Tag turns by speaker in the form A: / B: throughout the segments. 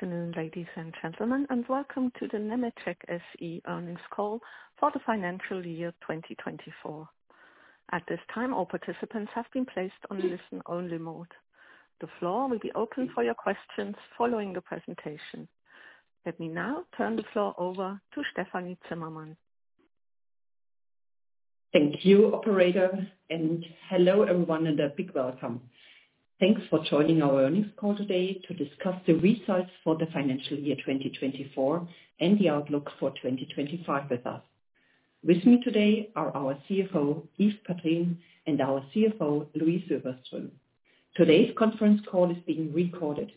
A: Good afternoon, ladies and gentlemen, and welcome to the Nemetschek SE earnings call for the financial year 2024. At this time, all participants have been placed on listen-only mode. The floor will be open for your questions following the presentation. Let me now turn the floor over to Stefanie Zimmermann.
B: Thank you, Operator, and hello everyone and a big welcome. Thanks for joining our earnings call today to discuss the results for the financial year 2024 and the outlook for 2025 with us. With me today are our CEO, Yves Padrines, and our CFO, Louise Öfverström. Today's conference call is being recorded.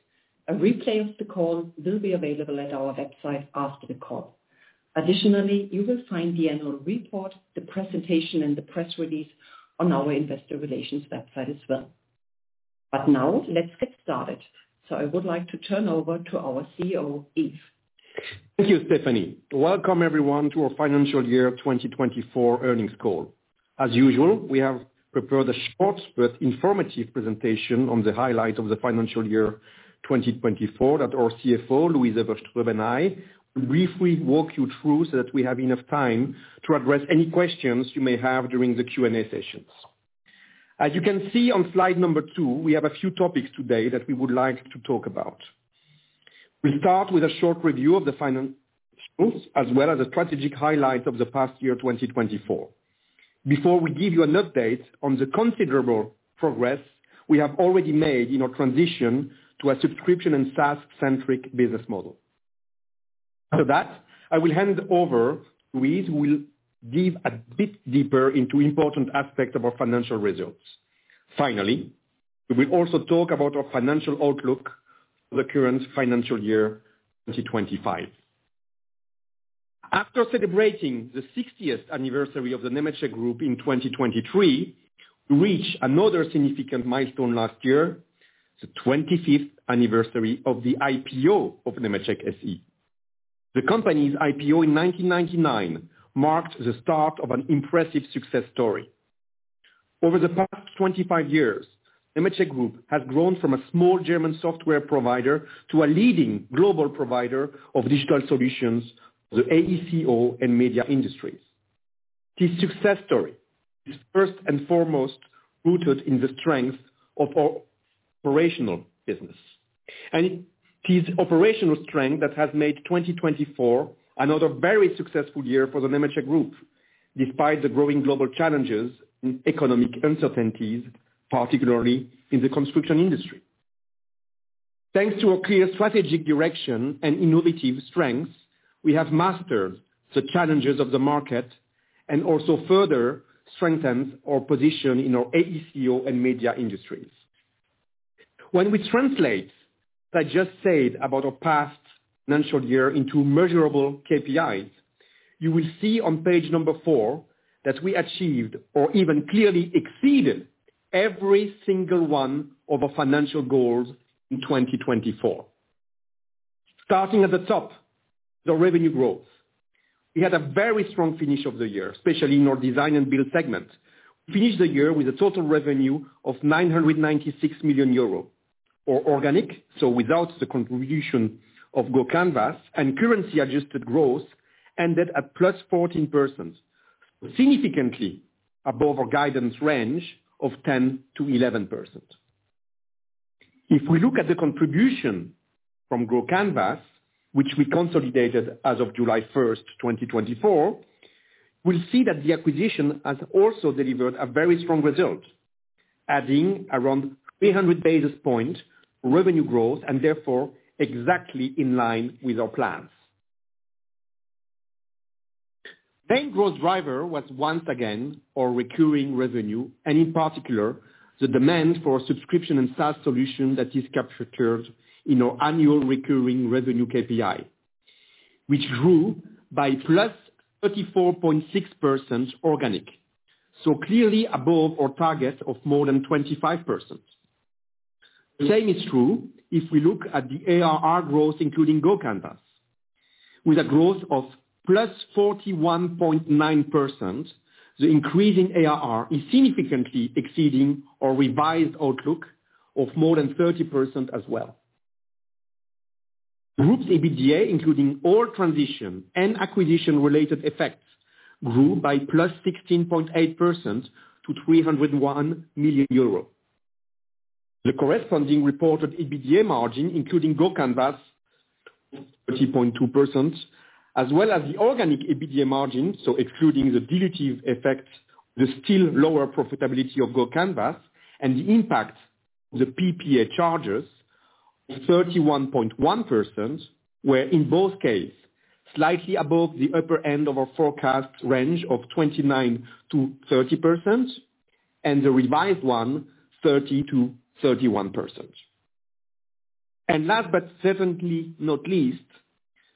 B: A replay of the call will be available at our website after the call. Additionally, you will find the annual report, the presentation, and the press release on our investor relations website as well. Now, let's get started. I would like to turn over to our CEO, Yves.
C: Thank you, Stefanie. Welcome everyone to our financial year 2024 earnings call. As usual, we have prepared a short but informative presentation on the highlights of the financial year 2024 that our CFO, Louise Öfverström, and I will briefly walk you through so that we have enough time to address any questions you may have during the Q&A sessions. As you can see on slide number two, we have a few topics today that we would like to talk about. We'll start with a short review of the financials as well as the strategic highlights of the past year 2024. Before we give you an update on the considerable progress we have already made in our transition to a subscription and SaaS-centric business model. After that, I will hand over to Louise, who will dig a bit deeper into important aspects of our financial results. Finally, we will also talk about our financial outlook for the current financial year 2025. After celebrating the 60th anniversary of the Nemetschek Group in 2023, we reached another significant milestone last year, the 25th anniversary of the IPO of Nemetschek SE. The company's IPO in 1999 marked the start of an impressive success story. Over the past 25 years, Nemetschek Group has grown from a small German software provider to a leading global provider of digital solutions for the AECO and media industries. This success story is first and foremost rooted in the strength of our operational business. It is operational strength that has made 2024 another very successful year for the Nemetschek Group, despite the growing global challenges and economic uncertainties, particularly in the construction industry. Thanks to our clear strategic direction and innovative strengths, we have mastered the challenges of the market and also further strengthened our position in our AECO and media industries. When we translate what I just said about our past financial year into measurable KPIs, you will see on page number four that we achieved or even clearly exceeded every single one of our financial goals in 2024. Starting at the top, the revenue growth. We had a very strong finish of the year, especially in our design and Build segment. We finished the year with a total revenue of 996 million euros, or organic, so without the contribution of GoCanvas, and currency-adjusted growth ended at +14%, significantly above our guidance range of 10%-11%. If we look at the contribution from GoCanvas, which we consolidated as of July 1, 2024, we'll see that the acquisition has also delivered a very strong result, adding around 300 basis points revenue growth and therefore exactly in line with our plans. The main growth driver was once again our recurring revenue, and in particular, the demand for subscription and SaaS solutions that is captured in our annual recurring revenue KPI, which grew by +34.6% organic, so clearly above our target of more than 25%. The same is true if we look at the ARR growth, including GoCanvas, with a growth of +41.9%. The increase in ARR is significantly exceeding our revised outlook of more than 30% as well. Group's EBITDA, including all transition and acquisition-related effects, grew by +16.8% to 301 million euros. The corresponding reported EBITDA margin, including GoCanvas, was 30.2%, as well as the organic EBITDA margin, so excluding the dilutive effects, the still lower profitability of GoCanvas, and the impact of the PPA charges, was 31.1%, where in both cases, slightly above the upper end of our forecast range of 29%-30%, and the revised one, 30%-31%. Last but certainly not least,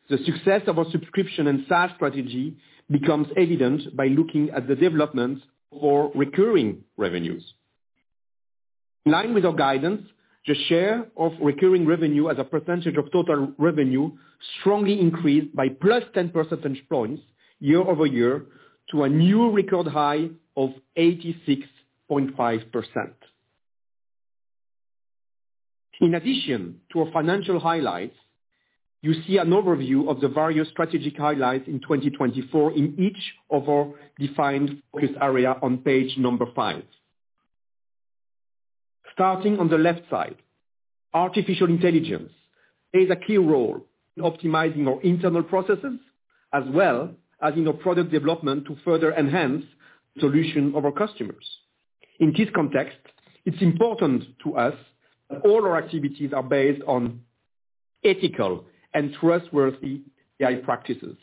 C: the success of our subscription and SaaS strategy becomes evident by looking at the developments of our recurring revenues. In line with our guidance, the share of recurring revenue as a percentage of total revenue strongly increased by +10 percentage points year over year to a new record high of 86.5%. In addition to our financial highlights, you see an overview of the various strategic highlights in 2024 in each of our defined focus areas on page number five. Starting on the left side, artificial intelligence plays a key role in optimizing our internal processes as well as in our product development to further enhance the solution of our customers. In this context, it's important to us that all our activities are based on ethical and trustworthy AI practices.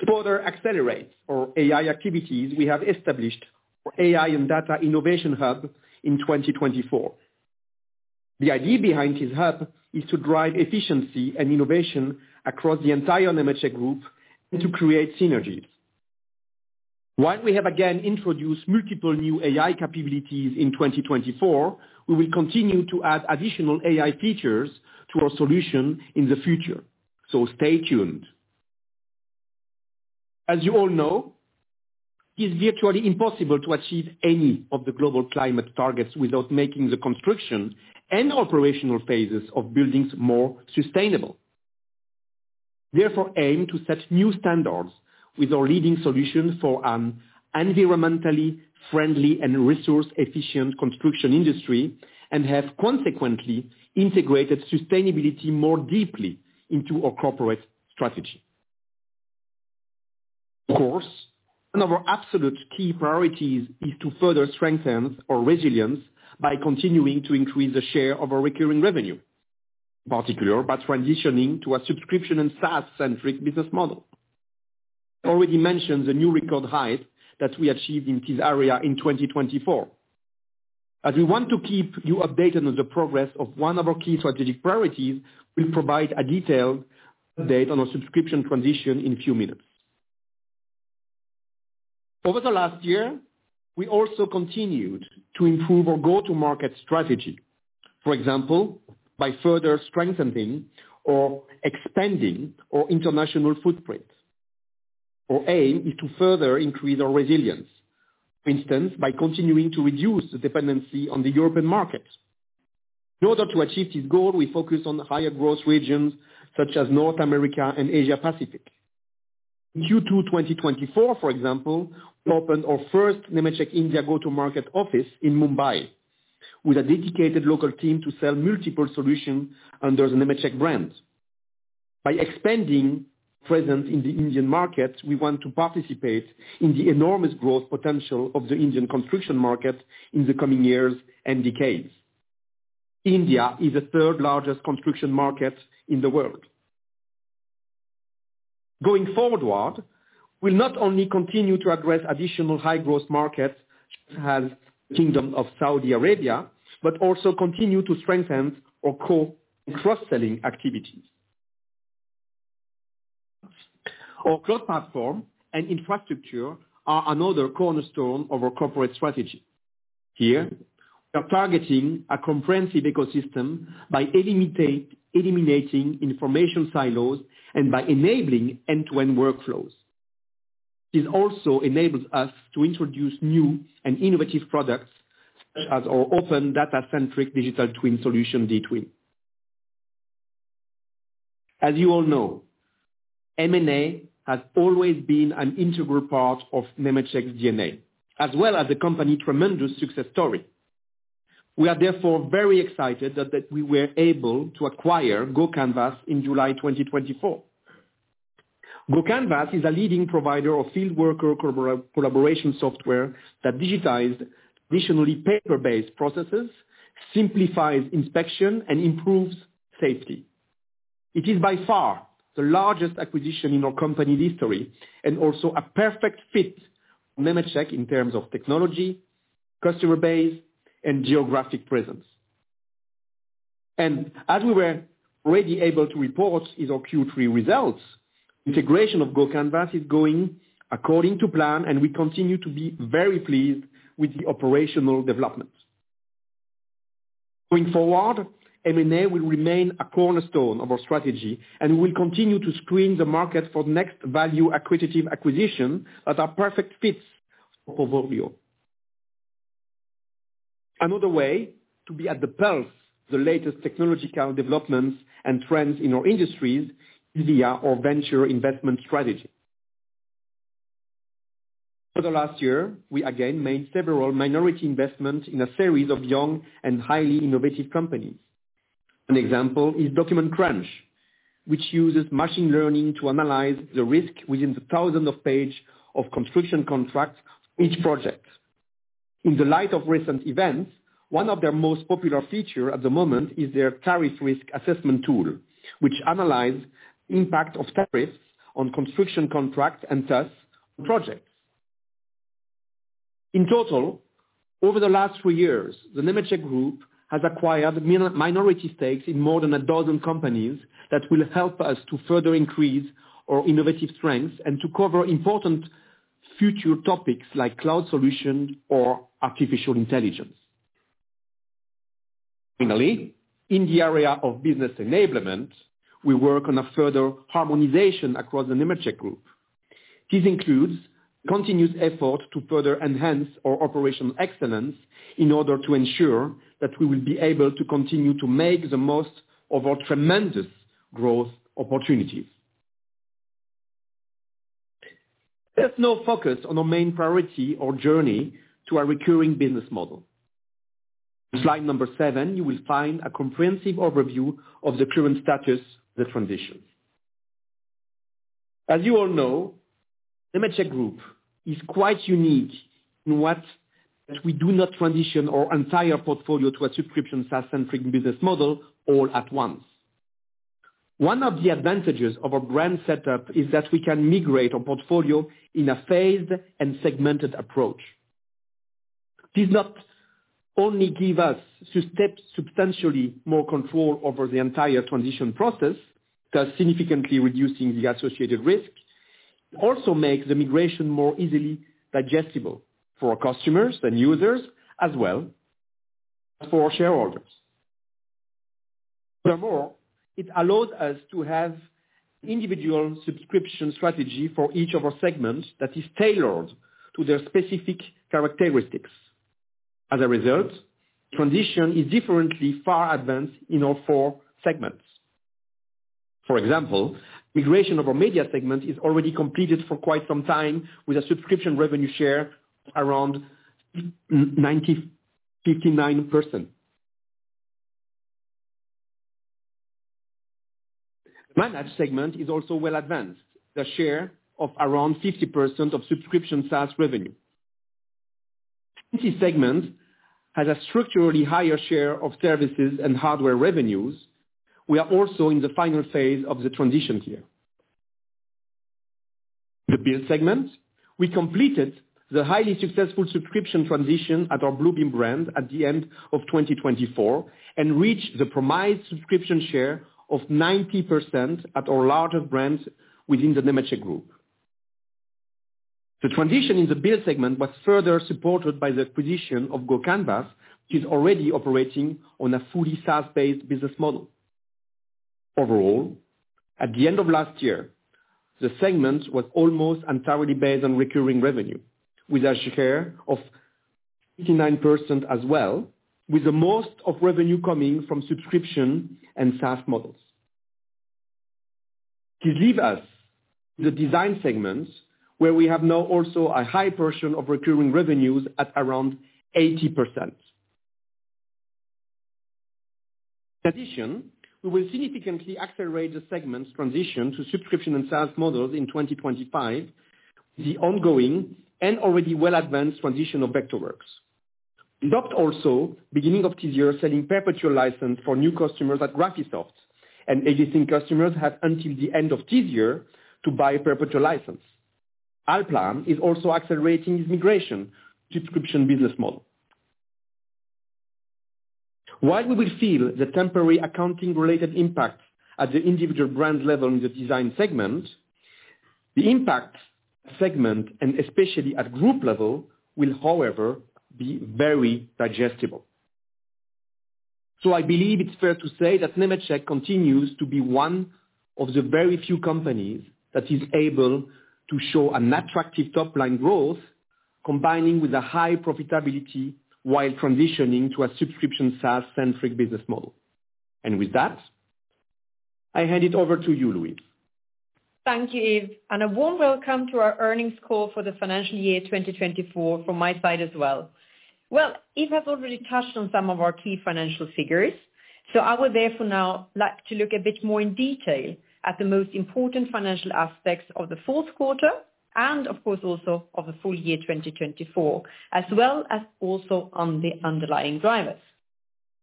C: To further accelerate our AI activities, we have established our AI and Data Innovation Hub in 2024. The idea behind this hub is to drive efficiency and innovation across the entire Nemetschek Group and to create synergies. While we have again introduced multiple new AI capabilities in 2024, we will continue to add additional AI features to our solution in the future. Stay tuned. As you all know, it is virtually impossible to achieve any of the global climate targets without making the construction and operational phases of buildings more sustainable. Therefore, we aim to set new standards with our leading solutions for an environmentally friendly and resource-efficient construction industry and have consequently integrated sustainability more deeply into our corporate strategy. Of course, one of our absolute key priorities is to further strengthen our resilience by continuing to increase the share of our recurring revenue, in particular by transitioning to a subscription and SaaS-centric business model. I already mentioned the new record highs that we achieved in this area in 2024. As we want to keep you updated on the progress of one of our key strategic priorities, we'll provide a detailed update on our subscription transition in a few minutes. Over the last year, we also continued to improve our go-to-market strategy, for example, by further strengthening or expanding our international footprint. Our aim is to further increase our resilience, for instance, by continuing to reduce the dependency on the European market. In order to achieve this goal, we focused on higher growth regions such as North America and Asia-Pacific. In Q2 2024, for example, we opened our first Nemetschek India go-to-market office in Mumbai with a dedicated local team to sell multiple solutions under the Nemetschek brand. By expanding our presence in the Indian market, we want to participate in the enormous growth potential of the Indian construction market in the coming years and decades. India is the third-largest construction market in the world. Going forward, we'll not only continue to address additional high-growth markets such as the Kingdom of Saudi Arabia, but also continue to strengthen our core and cross-selling activities. Our cloud platform and infrastructure are another cornerstone of our corporate strategy. Here, we are targeting a comprehensive ecosystem by eliminating information silos and by enabling end-to-end workflows. This also enables us to introduce new and innovative products such as our open data-centric digital twin solution, DTwin. As you all know, M&A has always been an integral part of Nemetschek's DNA, as well as the company's tremendous success story. We are therefore very excited that we were able to acquire GoCanvas in July 2024. GoCanvas is a leading provider of fieldworker collaboration software that digitizes traditionally paper-based processes, simplifies inspection, and improves safety. It is by far the largest acquisition in our company's history and also a perfect fit for Nemetschek in terms of technology, customer base, and geographic presence. As we were already able to report in our Q3 results, the integration of GoCanvas is going according to plan, and we continue to be very pleased with the operational development. Going forward, M&A will remain a cornerstone of our strategy, and we will continue to screen the market for the next value-accretive acquisitions that are perfect fits for Portfolio. Another way to be at the pulse of the latest technological developments and trends in our industries is via our venture investment strategy. Over the last year, we again made several minority investments in a series of young and highly innovative companies. An example is Document Crunch, which uses machine learning to analyze the risk within the thousands of pages of construction contracts for each project. In the light of recent events, one of their most popular features at the moment is their tariff risk assessment tool, which analyzes the impact of tariffs on construction contracts and thus on projects. In total, over the last three years, the Nemetschek Group has acquired minority stakes in more than a dozen companies that will help us to further increase our innovative strengths and to cover important future topics like cloud solutions or artificial intelligence. Finally, in the area of business enablement, we work on a further harmonization across the Nemetschek Group. This includes continuous efforts to further enhance our operational excellence in order to ensure that we will be able to continue to make the most of our tremendous growth opportunities. There's now focus on our main priority or journey to our recurring business model. In slide number seven, you will find a comprehensive overview of the current status of the transition. As you all know, the Nemetschek Group is quite unique in that we do not transition our entire portfolio to a subscription SaaS-centric business model all at once. One of the advantages of our brand setup is that we can migrate our portfolio in a phased and segmented approach. This not only gives us substantially more control over the entire transition process, thus significantly reducing the associated risk, it also makes the migration more easily digestible for our customers and users as well as for our shareholders. Furthermore, it allows us to have an individual subscription strategy for each of our segments that is tailored to their specific characteristics. As a result, transition is differently far advanced in all four segments. For example, migration of our media segment is already completed for quite some time with a subscription revenue share of around 90%-95%. The managed segment is also well advanced, with a share of around 50% of subscription SaaS revenue. This segment has a structurally higher share of services and hardware revenues. We are also in the final phase of the transition here. In the Build segment, we completed the highly successful subscription transition at our Bluebeam brand at the end of 2024 and reached the promised subscription share of 90% at our largest brand within the Nemetschek Group. The transition in the Build segment was further supported by the acquisition of GoCanvas, which is already operating on a fully SaaS-based business model. Overall, at the end of last year, the segment was almost entirely based on recurring revenue, with a share of 89% as well, with most of revenue coming from subscription and SaaS models. This leaves us with the Design segment, where we have now also a high portion of recurring revenues at around 80%. In addition, we will significantly accelerate the segment's transition to subscription and SaaS models in 2025 with the ongoing and already well-advanced transition of Vectorworks. We adopt also, beginning of this year, selling perpetual licenses for new customers at Graphisoft, and existing customers have until the end of this year to buy a perpetual license. Our plan is also accelerating this migration to the subscription business model. While we will feel the temporary accounting-related impact at the individual brand level in the Design segment, the impact at the segment, and especially at group level, will, however, be very digestible. I believe it's fair to say that Nemetschek continues to be one of the very few companies that is able to show an attractive top-line growth, combining with a high profitability while transitioning to a subscription SaaS-centric business model. With that, I hand it over to you, Louise.
D: Thank you, Yves. A warm welcome to our earnings call for the financial year 2024 from my side as well. Yves has already touched on some of our key financial figures, so I would therefore now like to look a bit more in detail at the most important financial aspects of the fourth quarter and, of course, also of the full year 2024, as well as also on the underlying drivers.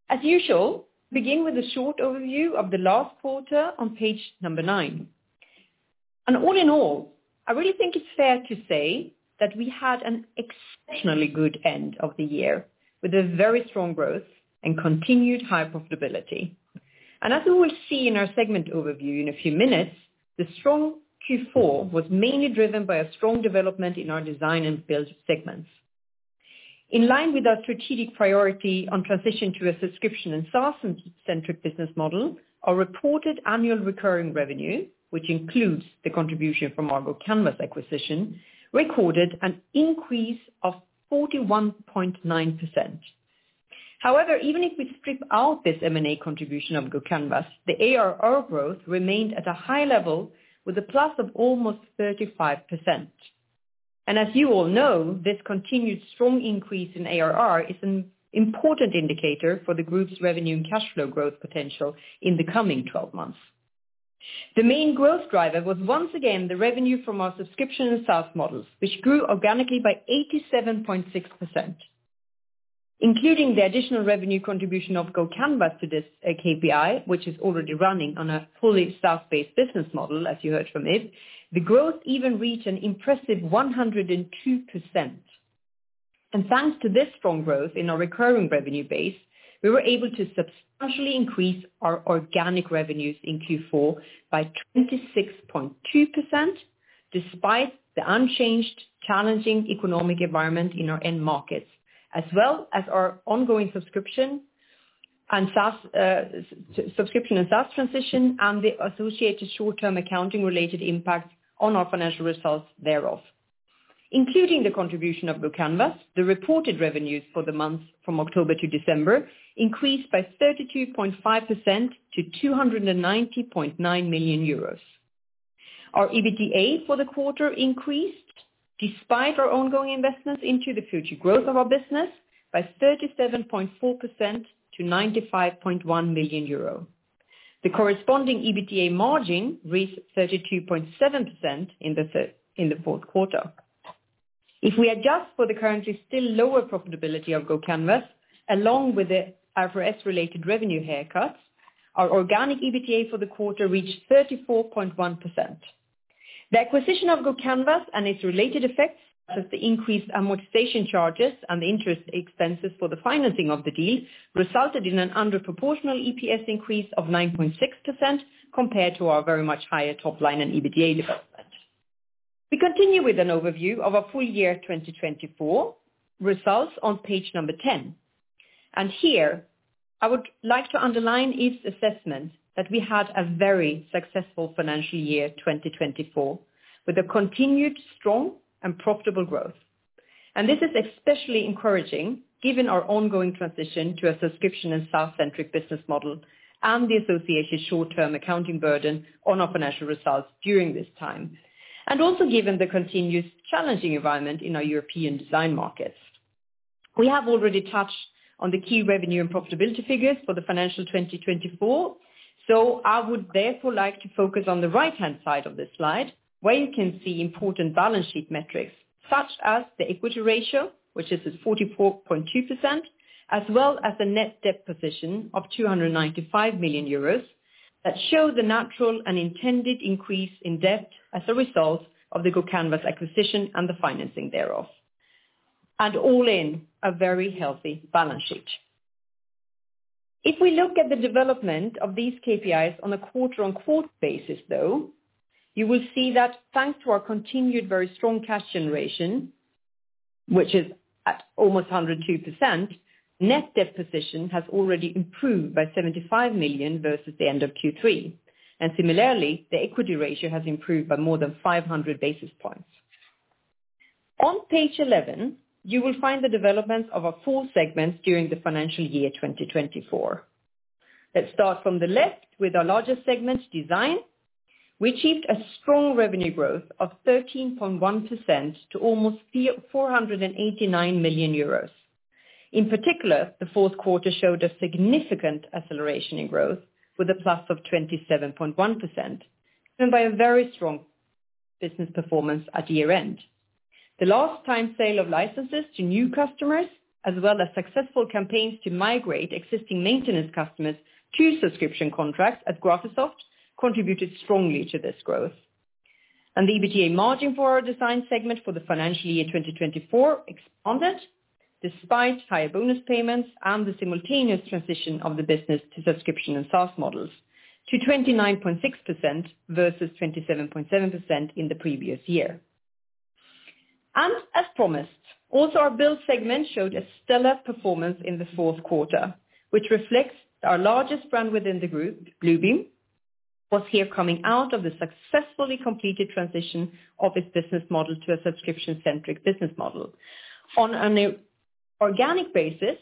D: As usual, we begin with a short overview of the last quarter on page number nine. All in all, I really think it's fair to say that we had an exceptionally good end of the year with very strong growth and continued high profitability. As we will see in our segment overview in a few minutes, the strong Q4 was mainly driven by a strong development in our design and Build segments. In line with our strategic priority on transition to a subscription and SaaS-centric business model, our reported annual recurring revenue, which includes the contribution from our GoCanvas acquisition, recorded an increase of 41.9%. However, even if we strip out this M&A contribution of GoCanvas, the ARR growth remained at a high level with a plus of almost 35%. As you all know, this continued strong increase in ARR is an important indicator for the group's revenue and cash flow growth potential in the coming 12 months. The main growth driver was once again the revenue from our subscription and SaaS models, which grew organically by 87.6%. Including the additional revenue contribution of GoCanvas to this KPI, which is already running on a fully SaaS-based business model, as you heard from Yves, the growth even reached an impressive 102%. Thanks to this strong growth in our recurring revenue base, we were able to substantially increase our organic revenues in Q4 by 26.2%, despite the unchanged, challenging economic environment in our end markets, as well as our ongoing subscription and SaaS transition and the associated short-term accounting-related impact on our financial results thereof. Including the contribution of GoCanvas, the reported revenues for the months from October to December increased by 32.5% to 290.9 million euros. Our EBITDA for the quarter increased, despite our ongoing investments into the future growth of our business, by 37.4% to 95.1 million euro. The corresponding EBITDA margin reached 32.7% in the fourth quarter. If we adjust for the currently still lower profitability of GoCanvas, along with the IFRS-related revenue haircuts, our organic EBITDA for the quarter reached 34.1%. The acquisition of GoCanvas and its related effects, such as the increased amortization charges and the interest expenses for the financing of the deal, resulted in an underproportional EPS increase of 9.6% compared to our very much higher top-line and EBITDA development. We continue with an overview of our full year 2024 results on page number 10. Here, I would like to underline Yves's assessment that we had a very successful financial year 2024 with a continued strong and profitable growth. This is especially encouraging given our ongoing transition to a subscription and SaaS-centric business model and the associated short-term accounting burden on our financial results during this time, and also given the continued challenging environment in our European design markets. We have already touched on the key revenue and profitability figures for the financial 2024, so I would therefore like to focus on the right-hand side of this slide, where you can see important balance sheet metrics, such as the equity ratio, which is at 44.2%, as well as the net debt position of 295 million euros that show the natural and intended increase in debt as a result of the GoCanvas acquisition and the financing thereof, and all in a very healthy balance sheet. If we look at the development of these KPIs on a quarter-on-quarter basis, though, you will see that thanks to our continued very strong cash generation, which is at almost 102%, net debt position has already improved by 75 million versus the end of Q3. Similarly, the equity ratio has improved by more than 500 basis points. On page 11, you will find the developments of our four segments during the financial year 2024. Let's start from the left with our largest segment, design. We achieved a strong revenue growth of 13.1% to almost 489 million euros. In particular, the fourth quarter showed a significant acceleration in growth with a plus of 27.1%, driven by a very strong business performance at year-end. The last time sale of licenses to new customers, as well as successful campaigns to migrate existing maintenance customers to subscription contracts at Graphisoft, contributed strongly to this growth. The EBITDA margin for our Design segment for the financial year 2024 expanded despite higher bonus payments and the simultaneous transition of the business to subscription and SaaS models to 29.6% versus 27.7% in the previous year. As promised, also our Build segment showed a stellar performance in the fourth quarter, which reflects our largest brand within the group, Bluebeam, was here coming out of the successfully completed transition of its business model to a subscription-centric business model. On an organic basis,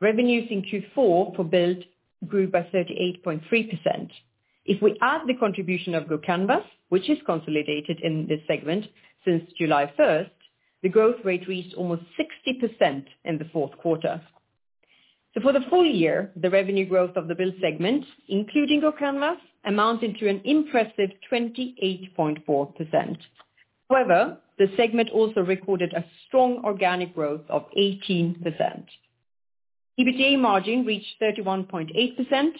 D: revenues in Q4 for Build grew by 38.3%. If we add the contribution of GoCanvas, which is consolidated in this segment since July 1, the growth rate reached almost 60% in the fourth quarter. For the full year, the revenue growth of the Build segment, including GoCanvas, amounted to an impressive 28.4%. However, the segment also recorded a strong organic growth of 18%. EBITDA margin reached 31.8%,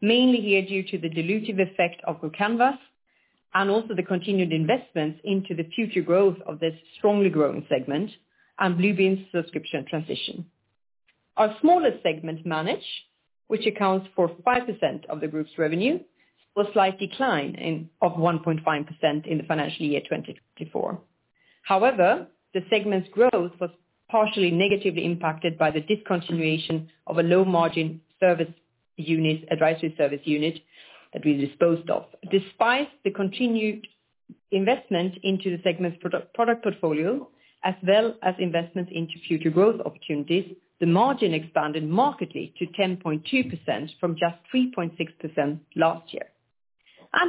D: mainly here due to the dilutive effect of GoCanvas and also the continued investments into the future growth of this strongly growing segment and Bluebeam's subscription transition. Our smaller segment, Manage, which accounts for 5% of the group's revenue, saw a slight decline of 1.5% in the financial year 2024. However, the segment's growth was partially negatively impacted by the discontinuation of a low-margin service unit, advisory service unit that we disposed of. Despite the continued investment into the segment's product portfolio, as well as investments into future growth opportunities, the margin expanded markedly to 10.2% from just 3.6% last year.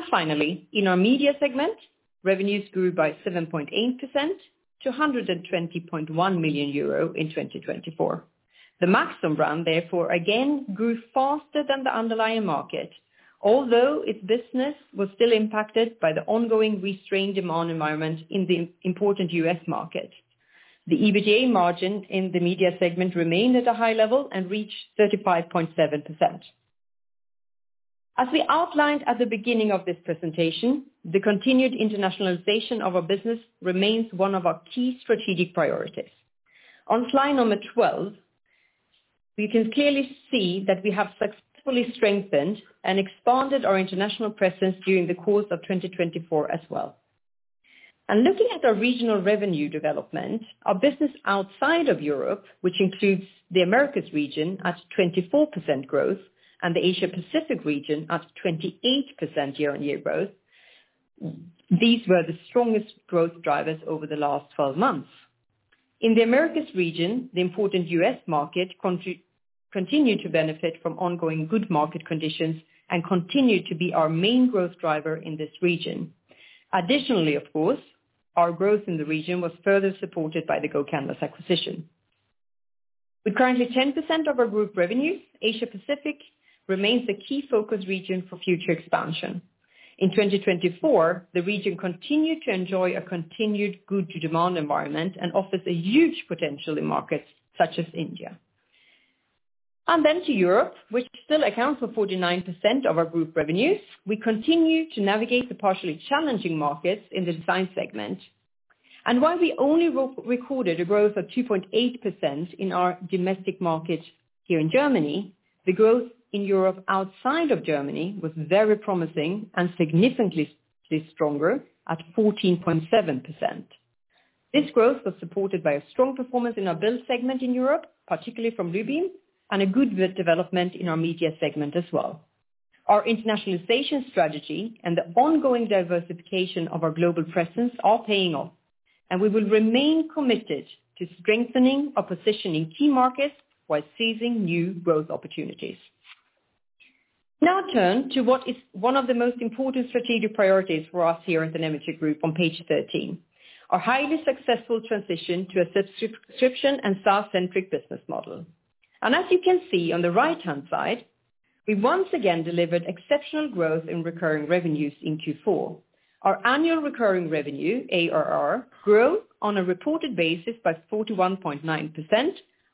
D: Finally, in our media segment, revenues grew by 7.8% to 120.1 million euro in 2024. The Maxon brand, therefore, again grew faster than the underlying market, although its business was still impacted by the ongoing restrained demand environment in the important U.S. market. The EBITDA margin in the media segment remained at a high level and reached 35.7%. As we outlined at the beginning of this presentation, the continued internationalization of our business remains one of our key strategic priorities. On slide number 12, we can clearly see that we have successfully strengthened and expanded our international presence during the course of 2024 as well. Looking at our regional revenue development, our business outside of Europe, which includes the Americas region at 24% growth and the Asia-Pacific region at 28% year-on-year growth, these were the strongest growth drivers over the last 12 months. In the Americas region, the important U.S. market continued to benefit from ongoing good market conditions and continued to be our main growth driver in this region. Additionally, of course, our growth in the region was further supported by the GoCanvas acquisition. With currently 10% of our group revenues, Asia-Pacific remains the key focus region for future expansion. In 2024, the region continued to enjoy a continued good-to-demand environment and offers a huge potential in markets such as India. To Europe, which still accounts for 49% of our group revenues, we continue to navigate the partially challenging markets in the Design segment. While we only recorded a growth of 2.8% in our domestic market here in Germany, the growth in Europe outside of Germany was very promising and significantly stronger at 14.7%. This growth was supported by a strong performance in our Build segment in Europe, particularly from Bluebeam, and a good development in our media segment as well. Our internationalization strategy and the ongoing diversification of our global presence are paying off, and we will remain committed to strengthening our position in key markets while seizing new growth opportunities. Now turn to what is one of the most important strategic priorities for us here at the Nemetschek Group on page 13, our highly successful transition to a subscription and SaaS-centric business model. As you can see on the right-hand side, we once again delivered exceptional growth in recurring revenues in Q4. Our annual recurring revenue, ARR, grew on a reported basis by 41.9%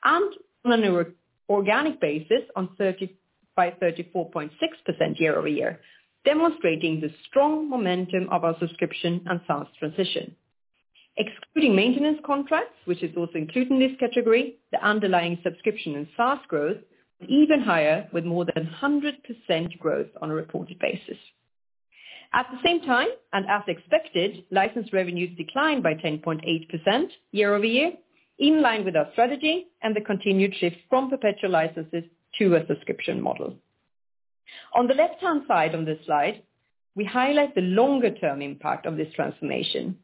D: and on an organic basis by 34.6% year-over-year, demonstrating the strong momentum of our subscription and SaaS transition. Excluding maintenance contracts, which is also included in this category, the underlying subscription and SaaS growth was even higher, with more than 100% growth on a reported basis. At the same time, and as expected, license revenues declined by 10.8% year-over-year, in line with our strategy and the continued shift from perpetual licenses to a subscription model. On the left-hand side of this slide, we highlight the longer-term impact of this transformation.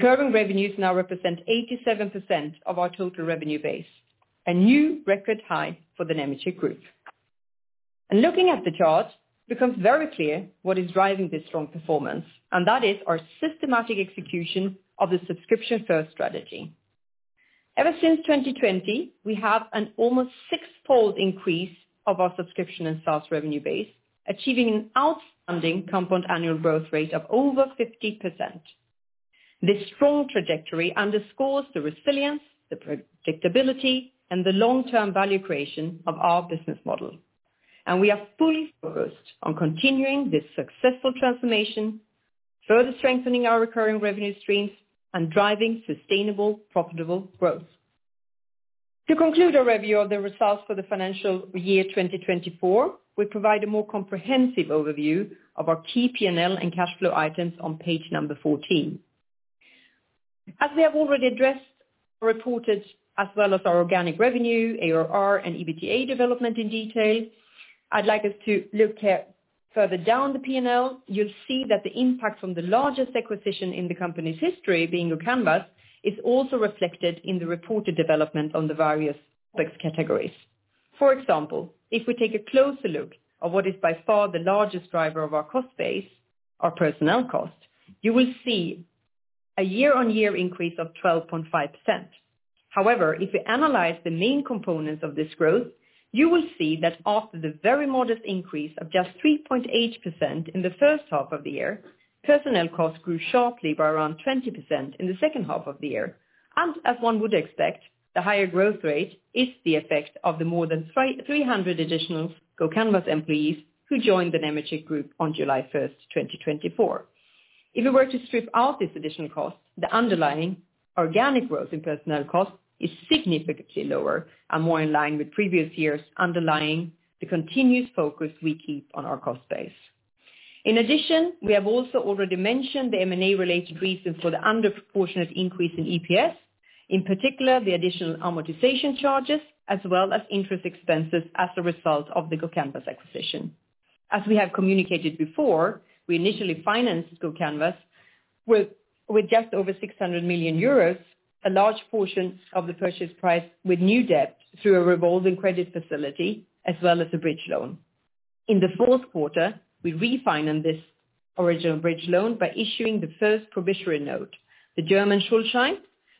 D: Current revenues now represent 87% of our total revenue base, a new record high for the Nemetschek Group. Looking at the chart, it becomes very clear what is driving this strong performance, and that is our systematic execution of the subscription-first strategy. Ever since 2020, we have an almost six-fold increase of our subscription and SaaS revenue base, achieving an outstanding compound annual growth rate of over 50%. This strong trajectory underscores the resilience, the predictability, and the long-term value creation of our business model. We are fully focused on continuing this successful transformation, further strengthening our recurring revenue streams, and driving sustainable, profitable growth. To conclude our review of the results for the financial year 2024, we provide a more comprehensive overview of our key P&L and cash flow items on page number 14. As we have already addressed or reported, as well as our organic revenue, ARR, and EBITDA development in detail, I'd like us to look further down the P&L. You'll see that the impact from the largest acquisition in the company's history, being GoCanvas, is also reflected in the reported development on the various topics categories. For example, if we take a closer look at what is by far the largest driver of our cost base, our personnel cost, you will see a year-on-year increase of 12.5%. However, if we analyze the main components of this growth, you will see that after the very modest increase of just 3.8% in the first half of the year, personnel cost grew sharply by around 20% in the second half of the year. As one would expect, the higher growth rate is the effect of the more than 300 additional GoCanvas employees who joined the Nemetschek Group on July 1, 2024. If we were to strip out this additional cost, the underlying organic growth in personnel cost is significantly lower and more in line with previous years, underlying the continuous focus we keep on our cost base. In addition, we have also already mentioned the M&A-related reasons for the underproportionate increase in EPS, in particular the additional amortization charges, as well as interest expenses as a result of the GoCanvas acquisition. As we have communicated before, we initially financed GoCanvas with just over 600 million euros, a large portion of the purchase price with new debt through a revolving credit facility, as well as a bridge loan. In the fourth quarter, we refinanced this original bridge loan by issuing the first probationary note, the German Schuldschein,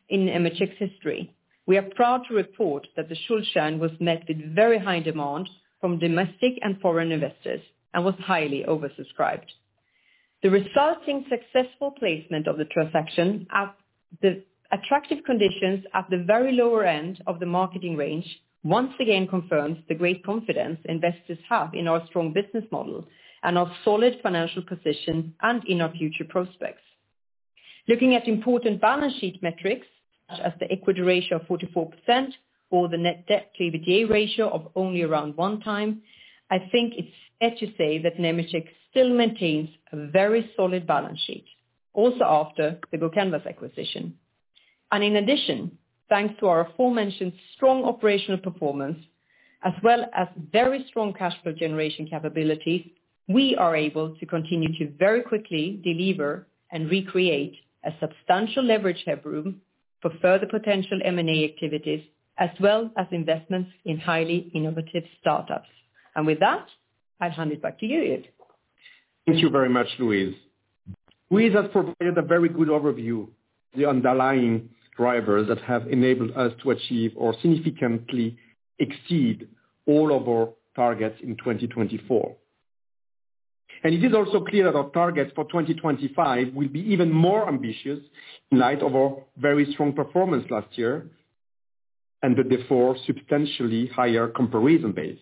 D: in Nemetschek's history. We are proud to report that the Schuldschein was met with very high demand from domestic and foreign investors and was highly oversubscribed. The resulting successful placement of the transaction at the attractive conditions at the very lower end of the marketing range once again confirms the great confidence investors have in our strong business model and our solid financial position and in our future prospects. Looking at important balance sheet metrics, such as the equity ratio of 44% or the net debt-to-EBITDA ratio of only around one time, I think it's fair to say that Nemetschek still maintains a very solid balance sheet, also after the GoCanvas acquisition. In addition, thanks to our aforementioned strong operational performance, as well as very strong cash flow generation capabilities, we are able to continue to very quickly deliver and recreate a substantial leverage headroom for further potential M&A activities, as well as investments in highly innovative startups. With that, I'll hand it back to you, Yves.
C: Thank you very much, Louise. Louise has provided a very good overview of the underlying drivers that have enabled us to achieve or significantly exceed all of our targets in 2024. It is also clear that our targets for 2025 will be even more ambitious in light of our very strong performance last year and the therefore substantially higher comparison base.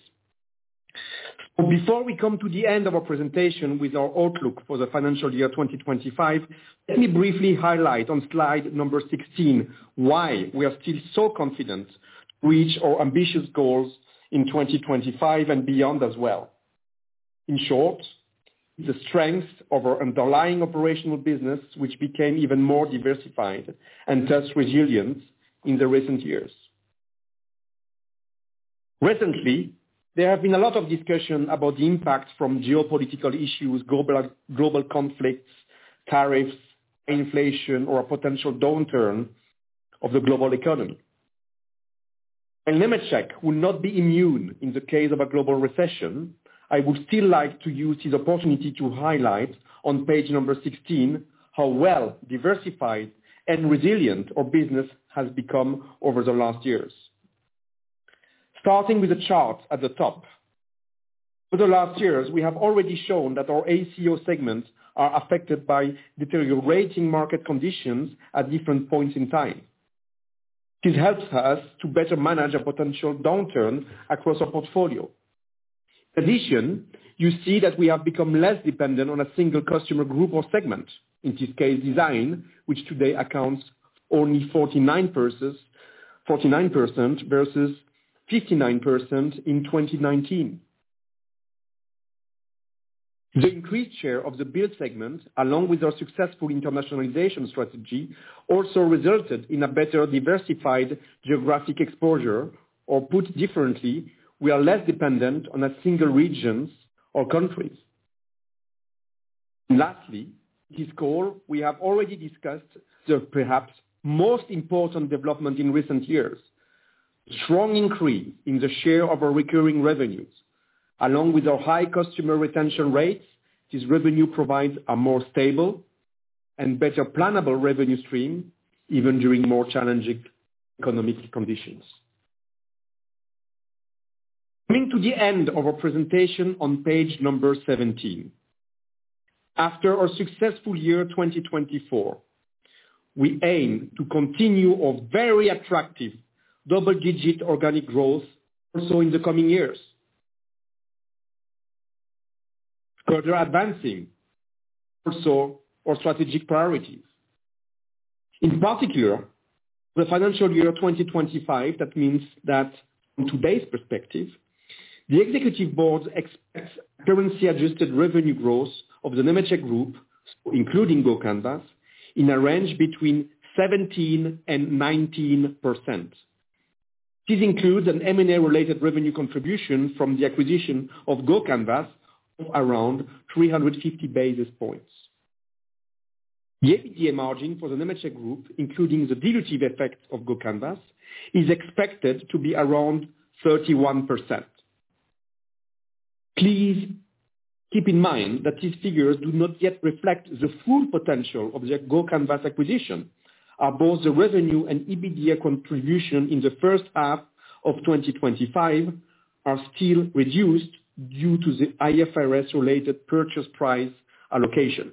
C: Before we come to the end of our presentation with our outlook for the financial year 2025, let me briefly highlight on slide number 16 why we are still so confident to reach our ambitious goals in 2025 and beyond as well. In short, the strength of our underlying operational business, which became even more diversified and thus resilient in the recent years. Recently, there have been a lot of discussions about the impact from geopolitical issues, global conflicts, tariffs, inflation, or a potential downturn of the global economy. Nemetschek will not be immune in the case of a global recession. I would still like to use this opportunity to highlight on page number 16 how well diversified and resilient our business has become over the last years. Starting with the chart at the top, over the last years, we have already shown that our AECO segments are affected by deteriorating market conditions at different points in time. This helps us to better manage a potential downturn across our portfolio. In addition, you see that we have become less dependent on a single customer group or segment, in this case design, which today accounts for only 49% versus 59% in 2019. The increased share of the Build segment, along with our successful internationalization strategy, also resulted in a better diversified geographic exposure, or put differently, we are less dependent on a single region or countries. Lastly, in this call, we have already discussed the perhaps most important development in recent years, a strong increase in the share of our recurring revenues. Along with our high customer retention rates, this revenue provides a more stable and better plannable revenue stream, even during more challenging economic conditions. Coming to the end of our presentation on page number 17, after our successful year 2024, we aim to continue our very attractive double-digit organic growth also in the coming years, further advancing also our strategic priorities. In particular, for the financial year 2025, that means that from today's perspective, the Executive Board expects currency-adjusted revenue growth of the Nemetschek Group, including GoCanvas, in a range between 17% and 19%. This includes an M&A-related revenue contribution from the acquisition of GoCanvas of around 350 basis points. The EBITDA margin for the Nemetschek Group, including the dilutive effect of GoCanvas, is expected to be around 31%. Please keep in mind that these figures do not yet reflect the full potential of the GoCanvas acquisition, as both the revenue and EBITDA contribution in the first half of 2025 are still reduced due to the IFRS-related purchase price allocation.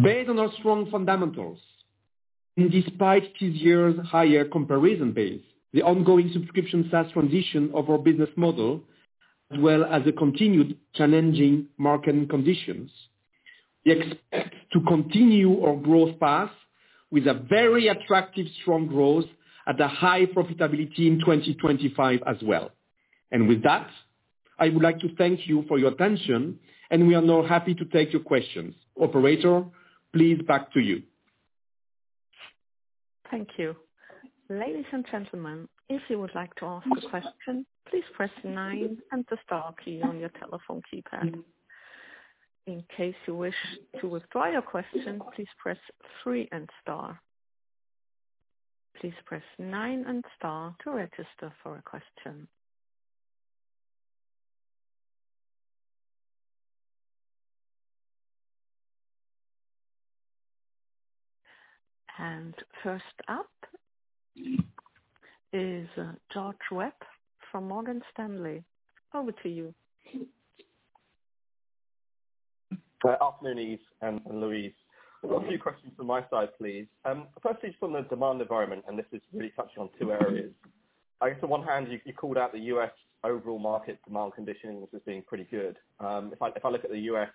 C: Based on our strong fundamentals, and despite this year's higher comparison base, the ongoing subscription SaaS transition of our business model, as well as the continued challenging marketing conditions, we expect to continue our growth path with a very attractive strong growth at a high profitability in 2025 as well. I would like to thank you for your attention, and we are now happy to take your questions. Operator, please back to you.
A: Thank you. Ladies and gentlemen, if you would like to ask a question, please press 9 and the star key on your telephone keypad. In case you wish to withdraw your question, please press 3 and star. Please press 9 and star to register for a question. First up is George Webb from Morgan Stanley. Over to you.
E: Good afternoon, Yves and Louise. A few questions from my side, please. Firstly, just on the demand environment, and this is really touching on two areas. I guess on one hand, you called out the U.S. overall market demand conditions as being pretty good. If I look at the U.S.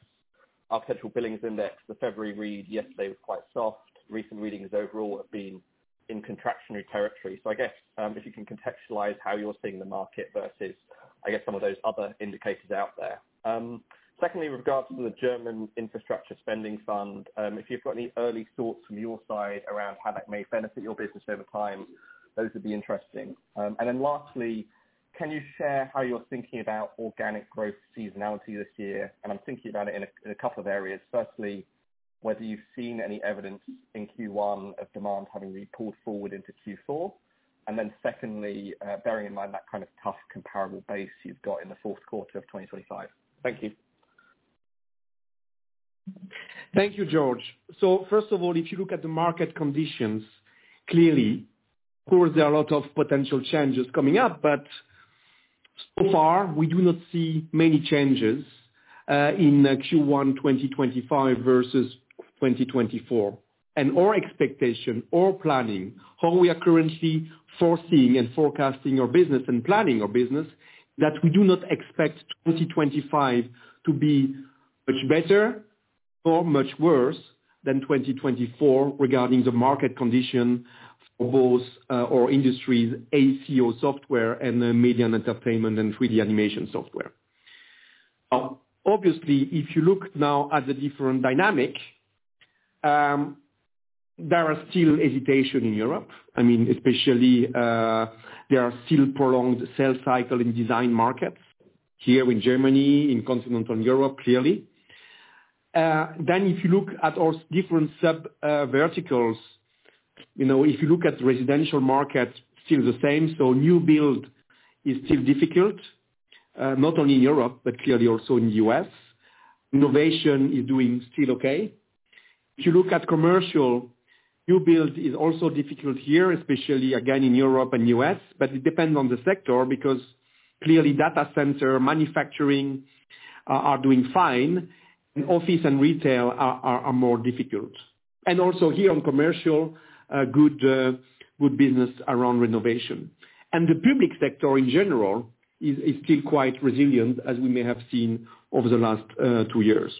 E: Architectural Billings Index, the February read yesterday was quite soft. Recent readings overall have been in contractionary territory. I guess if you can contextualize how you're seeing the market versus, I guess, some of those other indicators out there. Secondly, with regards to the German Infrastructure Spending Fund, if you've got any early thoughts from your side around how that may benefit your business over time, those would be interesting. Lastly, can you share how you're thinking about organic growth seasonality this year? I'm thinking about it in a couple of areas. Firstly, whether you've seen any evidence in Q1 of demand having been pulled forward into Q4. Secondly, bearing in mind that kind of tough comparable base you've got in the fourth quarter of 2025. Thank you.
C: Thank you, George. First of all, if you look at the market conditions, clearly, of course, there are a lot of potential changes coming up, but so far, we do not see many changes in Q1 2025 versus 2024. Our expectation, our planning, how we are currently foreseeing and forecasting our business and planning our business, is that we do not expect 2025 to be much better or much worse than 2024 regarding the market condition for both our industries, AECO software and Media and Entertainment and 3D animation software. Obviously, if you look now at the different dynamic, there is still hesitation in Europe. I mean, especially there are still prolonged sales cycles in design markets here in Germany, in continental Europe, clearly. If you look at our different sub-verticals, if you look at residential markets, still the same. New build is still difficult, not only in Europe, but clearly also in the U.S. Innovation is doing still okay. If you look at commercial, new build is also difficult here, especially again in Europe and the U.S., but it depends on the sector because clearly data center manufacturing are doing fine, and office and retail are more difficult. Also here on commercial, good business around renovation. The public sector in general is still quite resilient, as we may have seen over the last two years.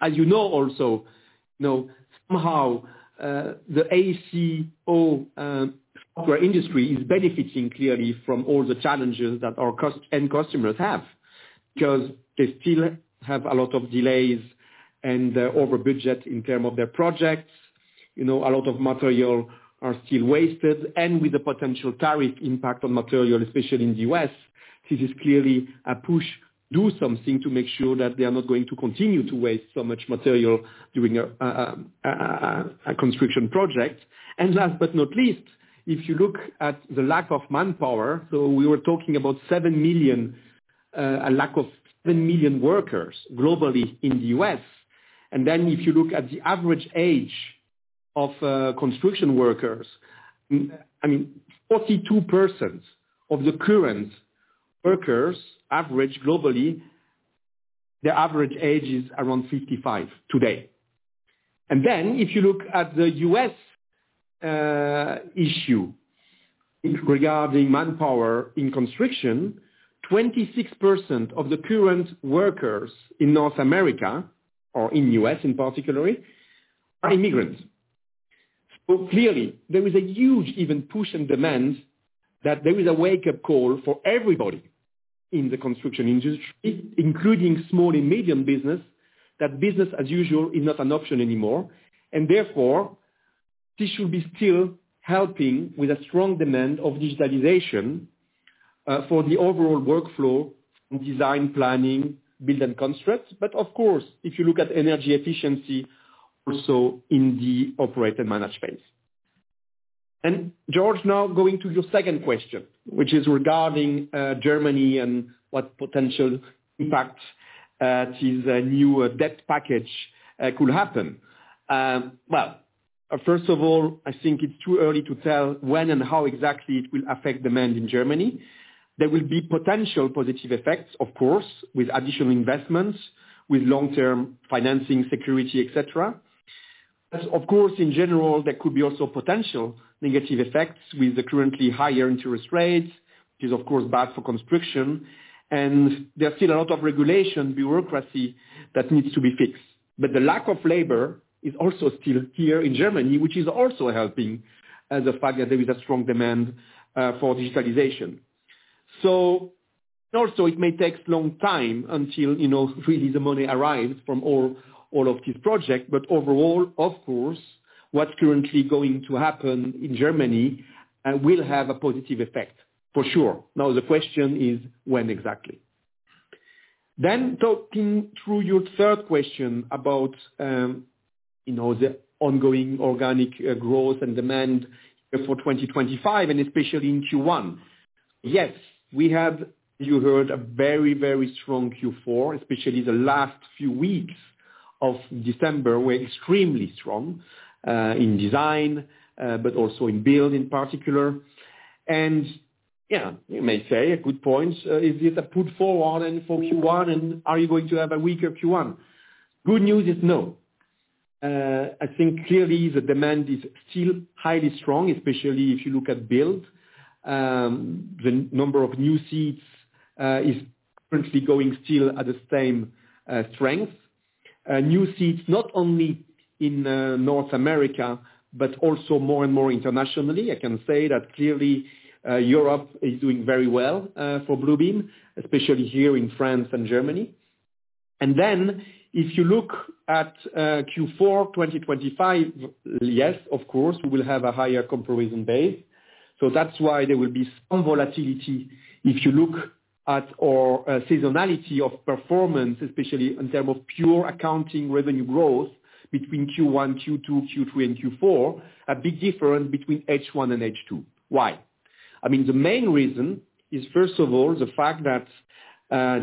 C: As you know also, somehow the AECO software industry is benefiting clearly from all the challenges that our end customers have because they still have a lot of delays and over budget in terms of their projects. A lot of material are still wasted. With the potential tariff impact on material, especially in the U.S., this is clearly a push to do something to make sure that they are not going to continue to waste so much material during a construction project. Last but not least, if you look at the lack of manpower, we were talking about 7 million, a lack of 7 million workers globally in the U.S. If you look at the average age of construction workers, I mean, 42% of the current workers globally, their average age is around 55 today. If you look at the U.S. issue regarding manpower in construction, 26% of the current workers in North America or in the U.S. in particular are immigrants. Clearly, there is a huge even push and demand that there is a wake-up call for everybody in the construction industry, including small and medium business, that business as usual is not an option anymore. Therefore, this should be still helping with a strong demand of digitalization for the overall workflow and design planning, build and construct. Of course, if you look at energy efficiency also in the operator management. George, now going to your second question, which is regarding Germany and what potential impact this new debt package could happen. First of all, I think it's too early to tell when and how exactly it will affect demand in Germany. There will be potential positive effects, of course, with additional investments, with long-term financing, security, etc. Of course, in general, there could be also potential negative effects with the currently higher interest rates, which is of course bad for construction. There is still a lot of regulation, bureaucracy that needs to be fixed. The lack of labor is also still here in Germany, which is also helping the fact that there is a strong demand for digitalization. It may take a long time until really the money arrives from all of these projects. Overall, of course, what is currently going to happen in Germany will have a positive effect, for sure. The question is when exactly. Talking through your third question about the ongoing organic growth and demand for 2025, and especially in Q1. Yes, we have, as you heard, a very, very strong Q4, especially the last few weeks of December were extremely strong in design, but also in build in particular. You may say a good point, is it a put forward and for Q1, and are you going to have a weaker Q1? Good news is no. I think clearly the demand is still highly strong, especially if you look at build. The number of new seats is currently going still at the same strength. New seats, not only in North America, but also more and more internationally. I can say that clearly Europe is doing very well for Bluebeam, especially here in France and Germany. If you look at Q4 2025, yes, of course, we will have a higher comparison base. That is why there will be some volatility if you look at our seasonality of performance, especially in terms of pure accounting revenue growth between Q1, Q2, Q3, and Q4, a big difference between H1 and H2. Why? I mean, the main reason is, first of all, the fact that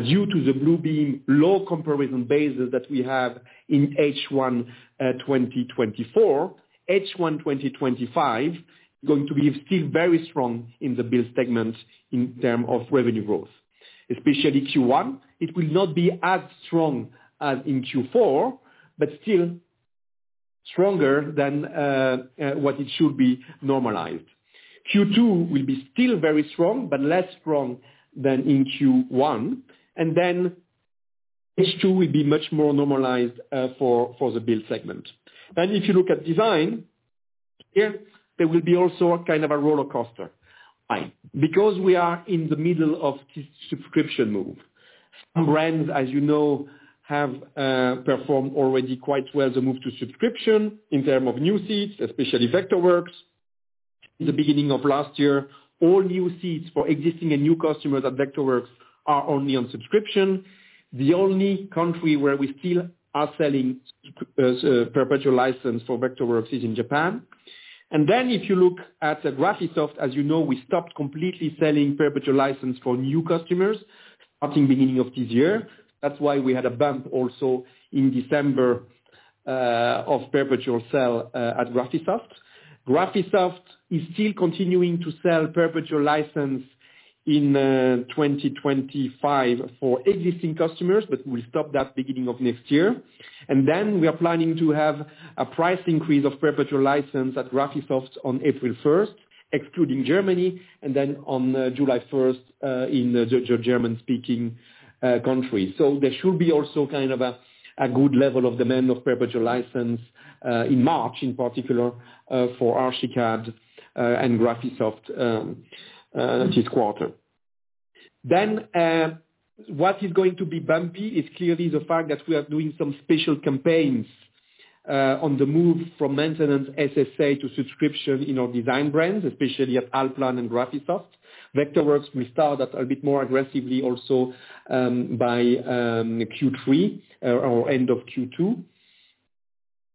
C: due to the Bluebeam low comparison basis that we have in H1 2024, H1 2025 is going to be still very strong in the Build segment in terms of revenue growth. Especially Q1, it will not be as strong as in Q4, but still stronger than what it should be normalized. Q2 will be still very strong, but less strong than in Q1. H2 will be much more normalized for the Build segment. If you look at design, there will be also kind of a roller coaster. Why? Because we are in the middle of this subscription move. Some brands, as you know, have performed already quite well to move to subscription in terms of new seats, especially Vectorworks. In the beginning of last year, all new seats for existing and new customers at Vectorworks are only on subscription. The only country where we still are selling perpetual license for Vectorworks is in Japan. If you look at Graphisoft, as you know, we stopped completely selling perpetual license for new customers starting the beginning of this year. That is why we had a bump also in December of perpetual sale at Graphisoft. Graphisoft is still continuing to sell perpetual license in 2025 for existing customers, but we will stop that beginning of next year. We are planning to have a price increase of perpetual license at Graphisoft on April 1, excluding Germany, and on July 1 in the German-speaking countries. There should be also kind of a good level of demand of perpetual license in March, in particular for ARCHICAD and Graphisoft this quarter. What is going to be bumpy is clearly the fact that we are doing some special campaigns on the move from maintenance SSA to subscription in our design brands, especially at ALLPLAN and Graphisoft. Vectorworks will start a bit more aggressively also by Q3 or end of Q2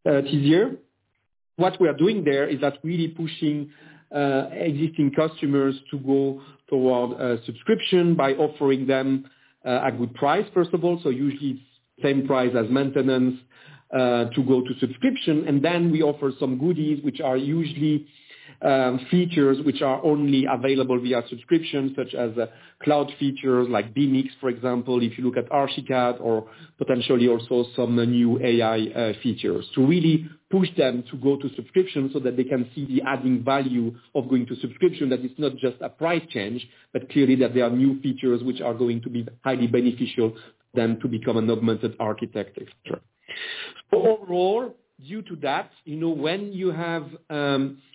C: this year. What we are doing there is that really pushing existing customers to go toward subscription by offering them a good price, first of all. Usually it is the same price as maintenance to go to subscription. We offer some goodies, which are usually features that are only available via subscription, such as cloud features like BIMx, for example, if you look at ARCHICAD or potentially also some new AI features. To really push them to go to subscription so that they can see the added value of going to subscription, that it is not just a price change, but clearly that there are new features which are going to be highly beneficial for them to become an augmented architecture. Overall, due to that, when you have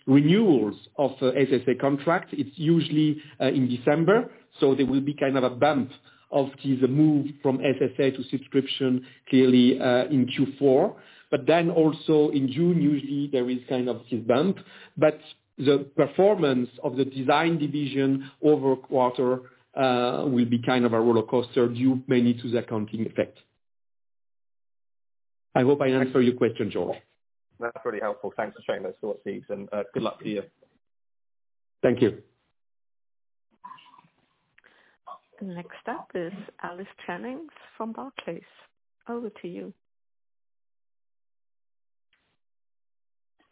C: renewals of SSA contracts, it is usually in December. There will be kind of a bump of this move from SSA to subscription clearly in Q4. Also, in June, usually there is kind of this bump. But the performance of the design division over quarter will be kind of a roller coaster due mainly to the accounting effect. I hope I answered your question, George.
E: That's really helpful. Thanks for sharing those thoughts, Yves. And good luck to you.
C: Thank you.
A: Next up is Alice Jennings from Barclays. Over to you.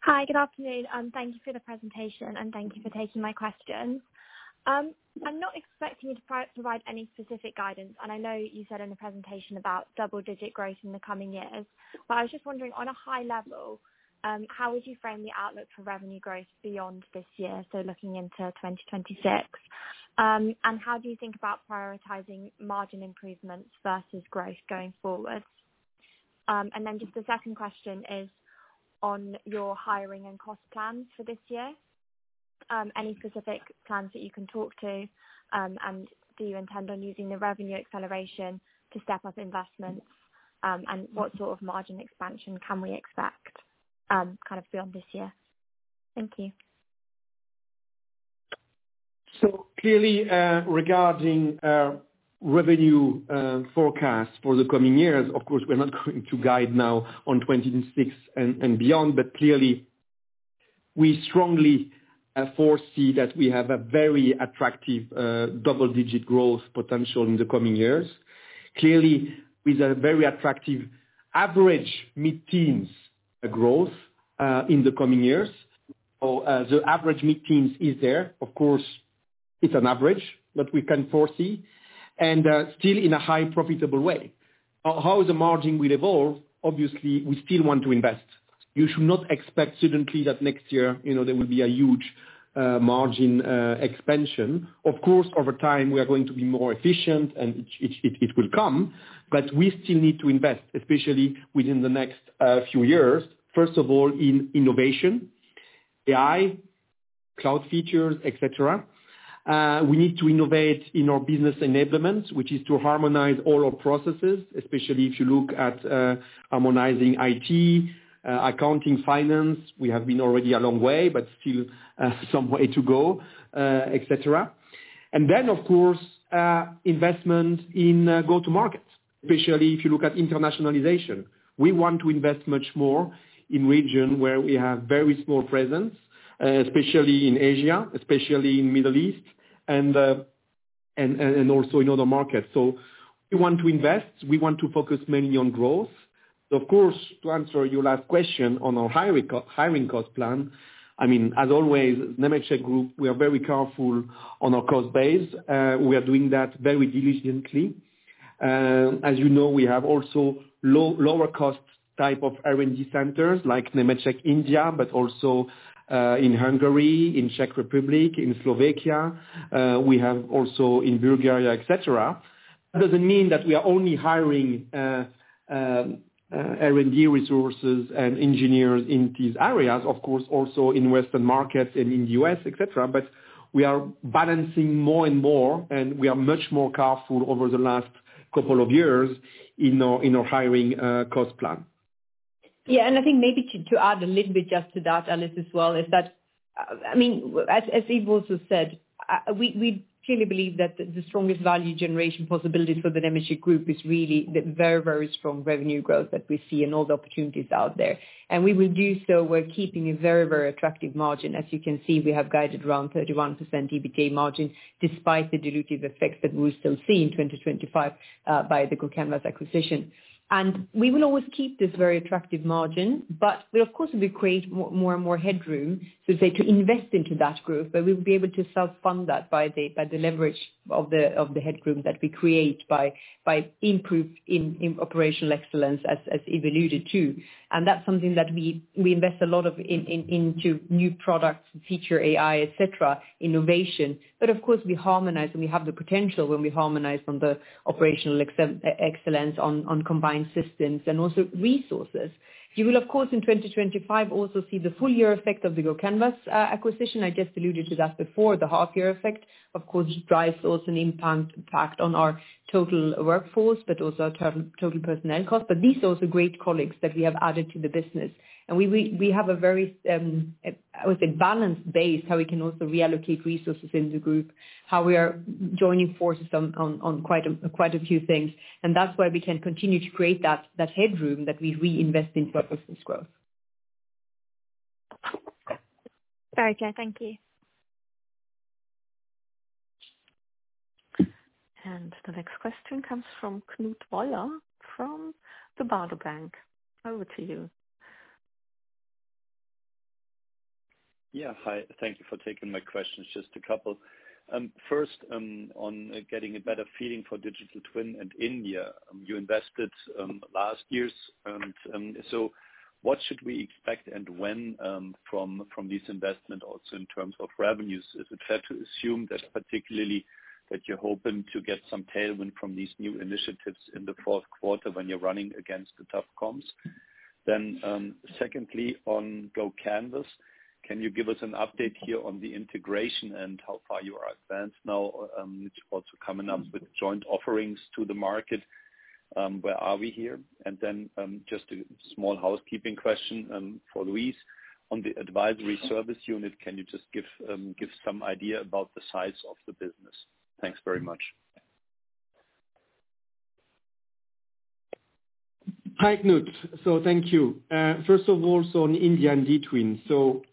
F: Hi, good afternoon. Thank you for the presentation, and thank you for taking my questions. I'm not expecting you to provide any specific guidance. I know you said in the presentation about double-digit growth in the coming years. I was just wondering, on a high level, how would you frame the outlook for revenue growth beyond this year, so looking into 2026? How do you think about prioritizing margin improvements versus growth going forward? The second question is on your hiring and cost plans for this year. Any specific plans that you can talk to? Do you intend on using the revenue acceleration to step up investments? What sort of margin expansion can we expect kind of beyond this year? Thank you.
C: Clearly, regarding revenue forecasts for the coming years, of course, we're not going to guide now on 2026 and beyond. Clearly, we strongly foresee that we have a very attractive double-digit growth potential in the coming years, with a very attractive average mid-teens growth in the coming years. The average mid-teens is there. Of course, it's an average that we can foresee, and still in a high profitable way. How the margin will evolve, obviously, we still want to invest. You should not expect suddenly that next year there will be a huge margin expansion. Of course, over time, we are going to be more efficient, and it will come. We still need to invest, especially within the next few years, first of all, in innovation, AI, cloud features, etc. We need to innovate in our business enablements, which is to harmonize all our processes, especially if you look at harmonizing IT, accounting, finance. We have been already a long way, but still some way to go, etc. We need investment in go-to-market, especially if you look at internationalization. We want to invest much more in regions where we have very small presence, especially in Asia, especially in the Middle East, and also in other markets. We want to invest. We want to focus mainly on growth. Of course, to answer your last question on our hiring cost plan, I mean, as always, Nemetschek Group, we are very careful on our cost base. We are doing that very diligently. As you know, we have also lower-cost type of R&D centers like Nemetschek India, but also in Hungary, in Czech Republic, in Slovakia. We have also in Bulgaria, etc. That does not mean that we are only hiring R&D resources and engineers in these areas, of course, also in Western markets and in the U.S., etc. We are balancing more and more, and we are much more careful over the last couple of years in our hiring cost plan.
D: Yeah. I think maybe to add a little bit just to that, Alice, as well, is that, I mean, as Yves also said, we clearly believe that the strongest value generation possibility for the Nemetschek Group is really the very, very strong revenue growth that we see in all the opportunities out there. We will do so while keeping a very, very attractive margin. As you can see, we have guided around 31% EBITDA margin despite the dilutive effects that we will still see in 2025 by the GoCanvas acquisition. We will always keep this very attractive margin, but we, of course, will create more and more headroom, so to say, to invest into that growth. We will be able to self-fund that by the leverage of the headroom that we create by improving operational excellence, as Yves alluded to. That is something that we invest a lot of into new products, feature AI, etc., innovation. Of course, we harmonize, and we have the potential when we harmonize on the operational excellence on combined systems and also resources. You will, of course, in 2025, also see the full year effect of the GoCanvas acquisition. I just alluded to that before. The half-year effect, of course, drives also an impact on our total workforce, but also our total personnel cost. These are also great colleagues that we have added to the business. We have a very, I would say, balanced base how we can also reallocate resources in the group, how we are joining forces on quite a few things. That is why we can continue to create that headroom that we reinvest into our business growth.
F: Very good. Thank you.
A: The next question comes from Knut Woller from Baader Bank. Over to you.
G: Yeah. Hi. Thank you for taking my questions. Just a couple. First, on getting a better feeling for Digital Twin and India, you invested last year. What should we expect and when from this investment, also in terms of revenues? Is it fair to assume that particularly that you're hoping to get some tailwind from these new initiatives in the fourth quarter when you're running against the tough comps? Secondly, on GoCanvas, can you give us an update here on the integration and how far you are advanced now? It's also coming up with joint offerings to the market. Where are we here? Just a small housekeeping question for Louise. On the advisory service unit, can you just give some idea about the size of the business? Thanks very much.
C: Hi, Knut. Thank you. First of all, on India and DTwin.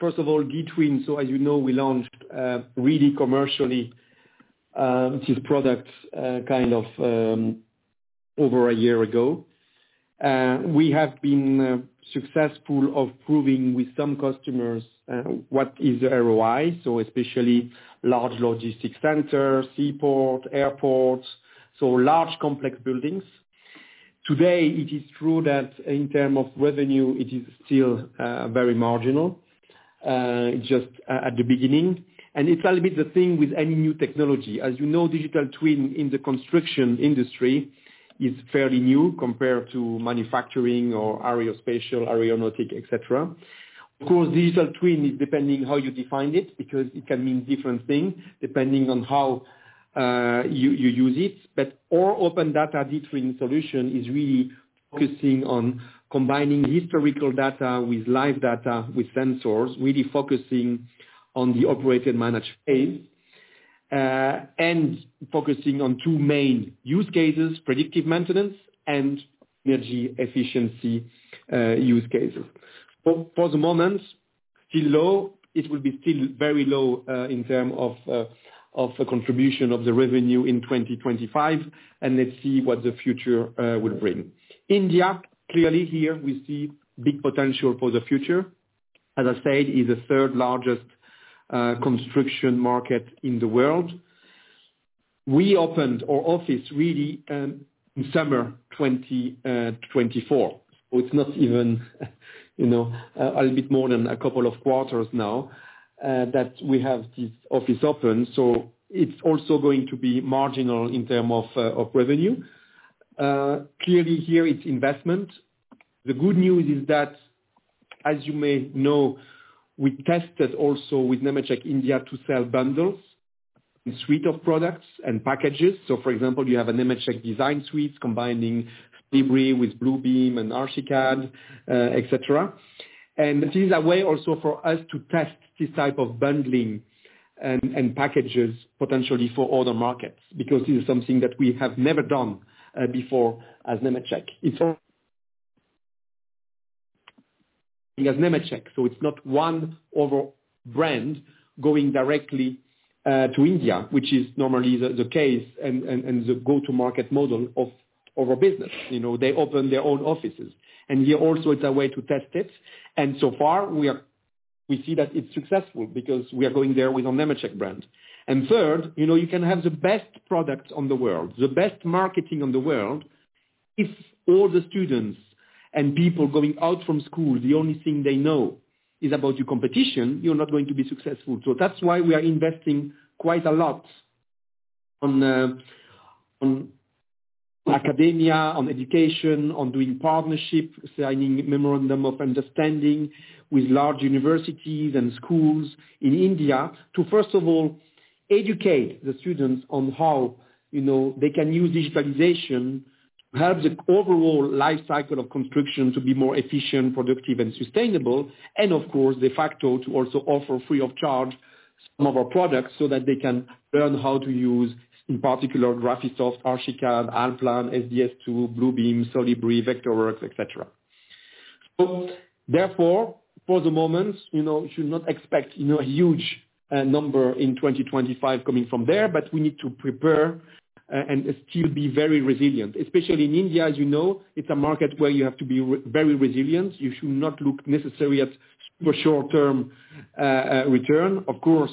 C: First of all, DTwin, as you know, we launched really commercially this product kind of over a year ago. We have been successful at proving with some customers what is the ROI, especially large logistics centers, seaports, airports, large complex buildings. Today, it is true that in terms of revenue, it is still very marginal. It's just at the beginning. It's a little bit the thing with any new technology. As you know, Digital Twin in the construction industry is fairly new compared to manufacturing or aerospace, aeronautic, etc. Of course, Digital Twin is depending how you define it because it can mean different things depending on how you use it. Our open data DTwin solution is really focusing on combining historical data with live data with sensors, really focusing on the operated managed space and focusing on two main use cases: predictive maintenance and energy efficiency use cases. For the moment, still low. It will be still very low in terms of the contribution of the revenue in 2025. Let's see what the future will bring. India, clearly here, we see big potential for the future. As I said, it is the third largest construction market in the world. We opened our office really in summer 2024. It is not even a little bit more than a couple of quarters now that we have this office open. It is also going to be marginal in terms of revenue. Clearly here, it is investment. The good news is that, as you may know, we tested also with Nemetschek India to sell bundles, a suite of products and packages. For example, you have a Nemetschek design suite combining Solibri with Bluebeam and ARCHICAD, etc. This is a way also for us to test this type of bundling and packages potentially for other markets because this is something that we have never done before as Nemetschek. It is all as Nemetschek. It is not one over brand going directly to India, which is normally the case and the go-to-market model of our business. They open their own offices. Here also, it is a way to test it. So far, we see that it is successful because we are going there with our Nemetschek brand. Third, you can have the best product in the world, the best marketing in the world. If all the students and people going out from school, the only thing they know is about your competition, you're not going to be successful. That's why we are investing quite a lot on academia, on education, on doing partnerships, signing memorandum of understanding with large universities and schools in India to, first of all, educate the students on how they can use digitalization to help the overall lifecycle of construction to be more efficient, productive, and sustainable. Of course, de facto to also offer free of charge some of our products so that they can learn how to use, in particular, Graphisoft, ARCHICAD, ALLPLAN, SDS2, Bluebeam, Solibri, Vectorworks, etc. Therefore, for the moment, you should not expect a huge number in 2025 coming from there. We need to prepare and still be very resilient, especially in India. As you know, it's a market where you have to be very resilient. You should not look necessarily at super short-term return. Of course,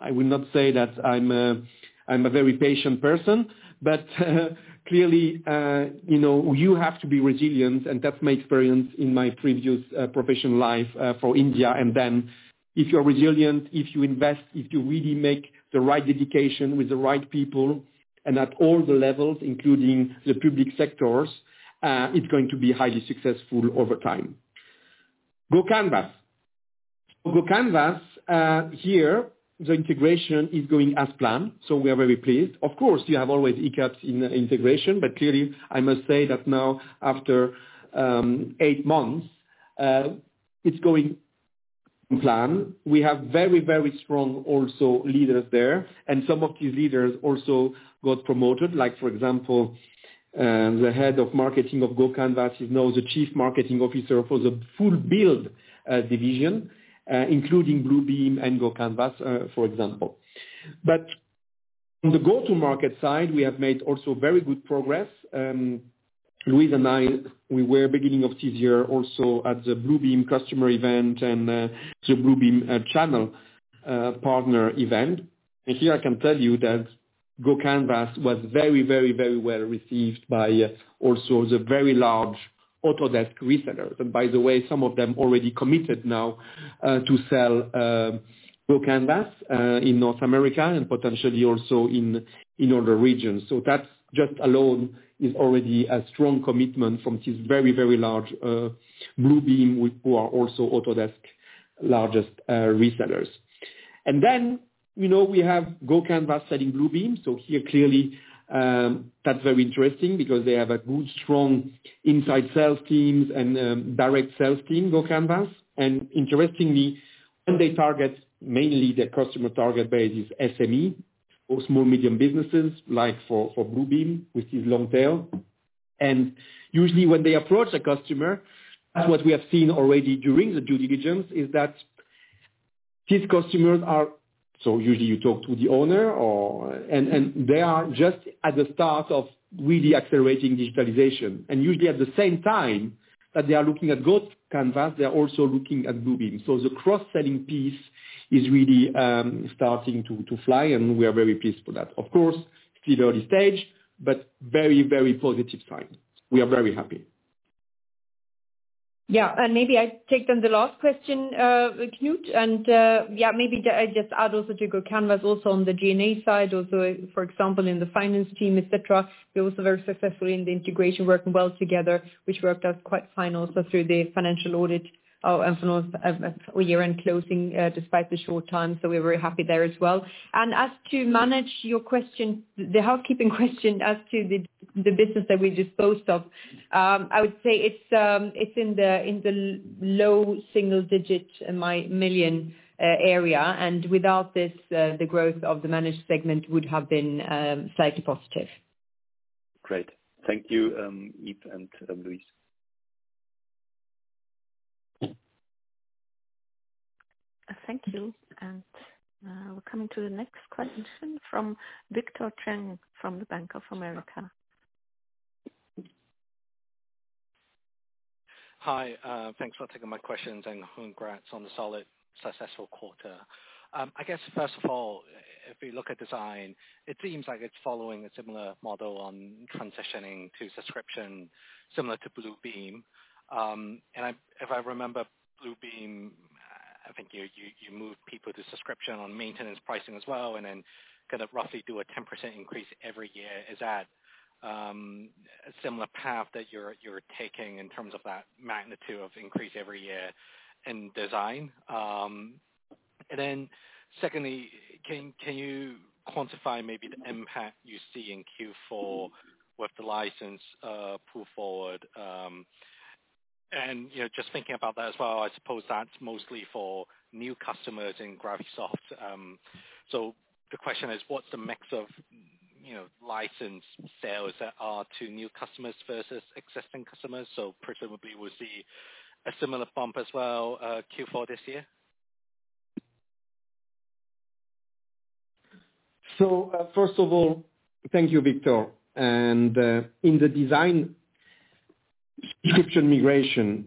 C: I will not say that I'm a very patient person, but clearly, you have to be resilient. That's my experience in my previous professional life for India. If you're resilient, if you invest, if you really make the right dedication with the right people and at all the levels, including the public sectors, it's going to be highly successful over time. GoCanvas. GoCanvas here, the integration is going as planned. We are very pleased. Of course, you have always hiccups in the integration. Clearly, I must say that now, after eight months, it's going as planned. We have very, very strong also leaders there. Some of these leaders also got promoted. Like for example, the Head of Marketing of GoCanvas is now the Chief Marketing Officer for the full Build division, including Bluebeam and GoCanvas, for example. On the go-to-market side, we have made also very good progress. Louise and I, we were beginning of this year also at the Bluebeam customer event and the Bluebeam channel partner event. Here, I can tell you that GoCanvas was very, very, very well received by also the very large Autodesk resellers. By the way, some of them already committed now to sell GoCanvas in North America and potentially also in other regions. That just alone is already a strong commitment from these very, very large Bluebeam, who are also Autodesk's largest resellers. We have GoCanvas selling Bluebeam. Here, clearly, that's very interesting because they have a good, strong inside sales team and direct sales team, GoCanvas. Interestingly, when they target mainly their customer target base is SME or small-medium businesses like for Bluebeam with these long tail. Usually, when they approach a customer, that's what we have seen already during the due diligence, is that these customers are. Usually, you talk to the owner, and they are just at the start of really accelerating digitalization. Usually, at the same time that they are looking at GoCanvas, they are also looking at Bluebeam. The cross-selling piece is really starting to fly, and we are very pleased for that. Of course, still early stage, but very, very positive sign. We are very happy.
D: Yeah. Maybe I take then the last question, Knut. Yeah, maybe I just add also to GoCanvas also on the G&A side, also for example, in the finance team, etc. We were also very successful in the integration, working well together, which worked out quite fine also through the financial audit of year-end closing despite the short time. We are very happy there as well. As to your question, the housekeeping question as to the business that we disposed of, I would say it is in the low single-digit million area. Without this, the growth of the managed segment would have been slightly positive.
G: Great. Thank you, Yves and Louise.
A: Thank you. We are coming to the next question from Victor Cheng from Bank of America.
H: Hi. Thanks for taking my questions and congrats on the solid successful quarter. I guess, first of all, if we look at design, it seems like it is following a similar model on transitioning to subscription similar to Bluebeam. If I remember, Bluebeam, I think you moved people to subscription on maintenance pricing as well and then kind of roughly do a 10% increase every year. Is that a similar path that you're taking in terms of that magnitude of increase every year in design? Secondly, can you quantify maybe the impact you see in Q4 with the license pull forward? Just thinking about that as well, I suppose that's mostly for new customers in Graphisoft. The question is, what's the mix of license sales that are to new customers versus existing customers? Presumably, we'll see a similar bump as well Q4 this year.
C: First of all, thank you, Victor. In the design subscription migration,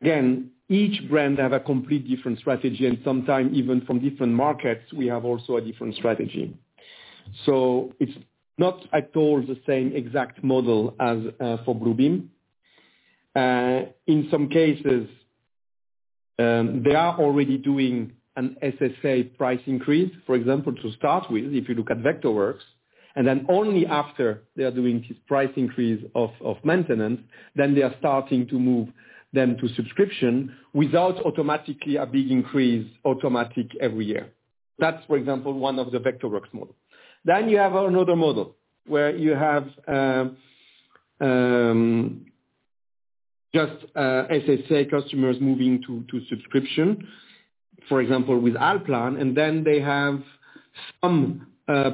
C: again, each brand has a completely different strategy. Sometimes, even from different markets, we have also a different strategy. It is not at all the same exact model as for Bluebeam. In some cases, they are already doing an SSA price increase, for example, to start with, if you look at Vectorworks. Only after they are doing this price increase of maintenance, they are starting to move them to subscription without automatically a big increase automatic every year. That is, for example, one of the Vectorworks models. You have another model where you have just SSA customers moving to subscription, for example, with ALLPLAN. They have some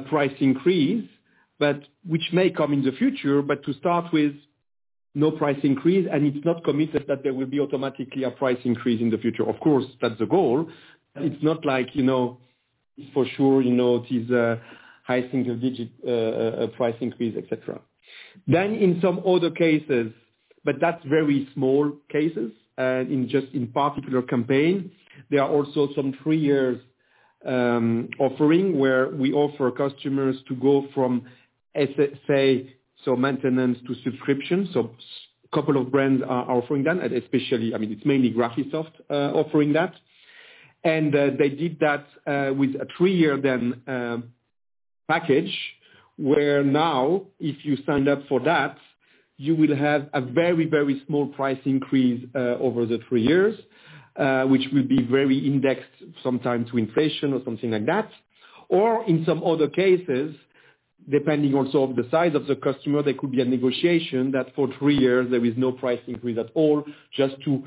C: price increase, which may come in the future, but to start with, no price increase. It is not committed that there will be automatically a price increase in the future. Of course, that is the goal. It is not like for sure it is a high single-digit price increase, etc. In some other cases, but that's very small cases. Just in particular campaigns, there are also some three-year offerings where we offer customers to go from SSA, so maintenance, to subscription. A couple of brands are offering that. I mean, it's mainly Graphisoft offering that. They did that with a three-year package where now, if you sign up for that, you will have a very, very small price increase over the three years, which will be very indexed sometimes to inflation or something like that. In some other cases, depending also on the size of the customer, there could be a negotiation that for three years, there is no price increase at all just to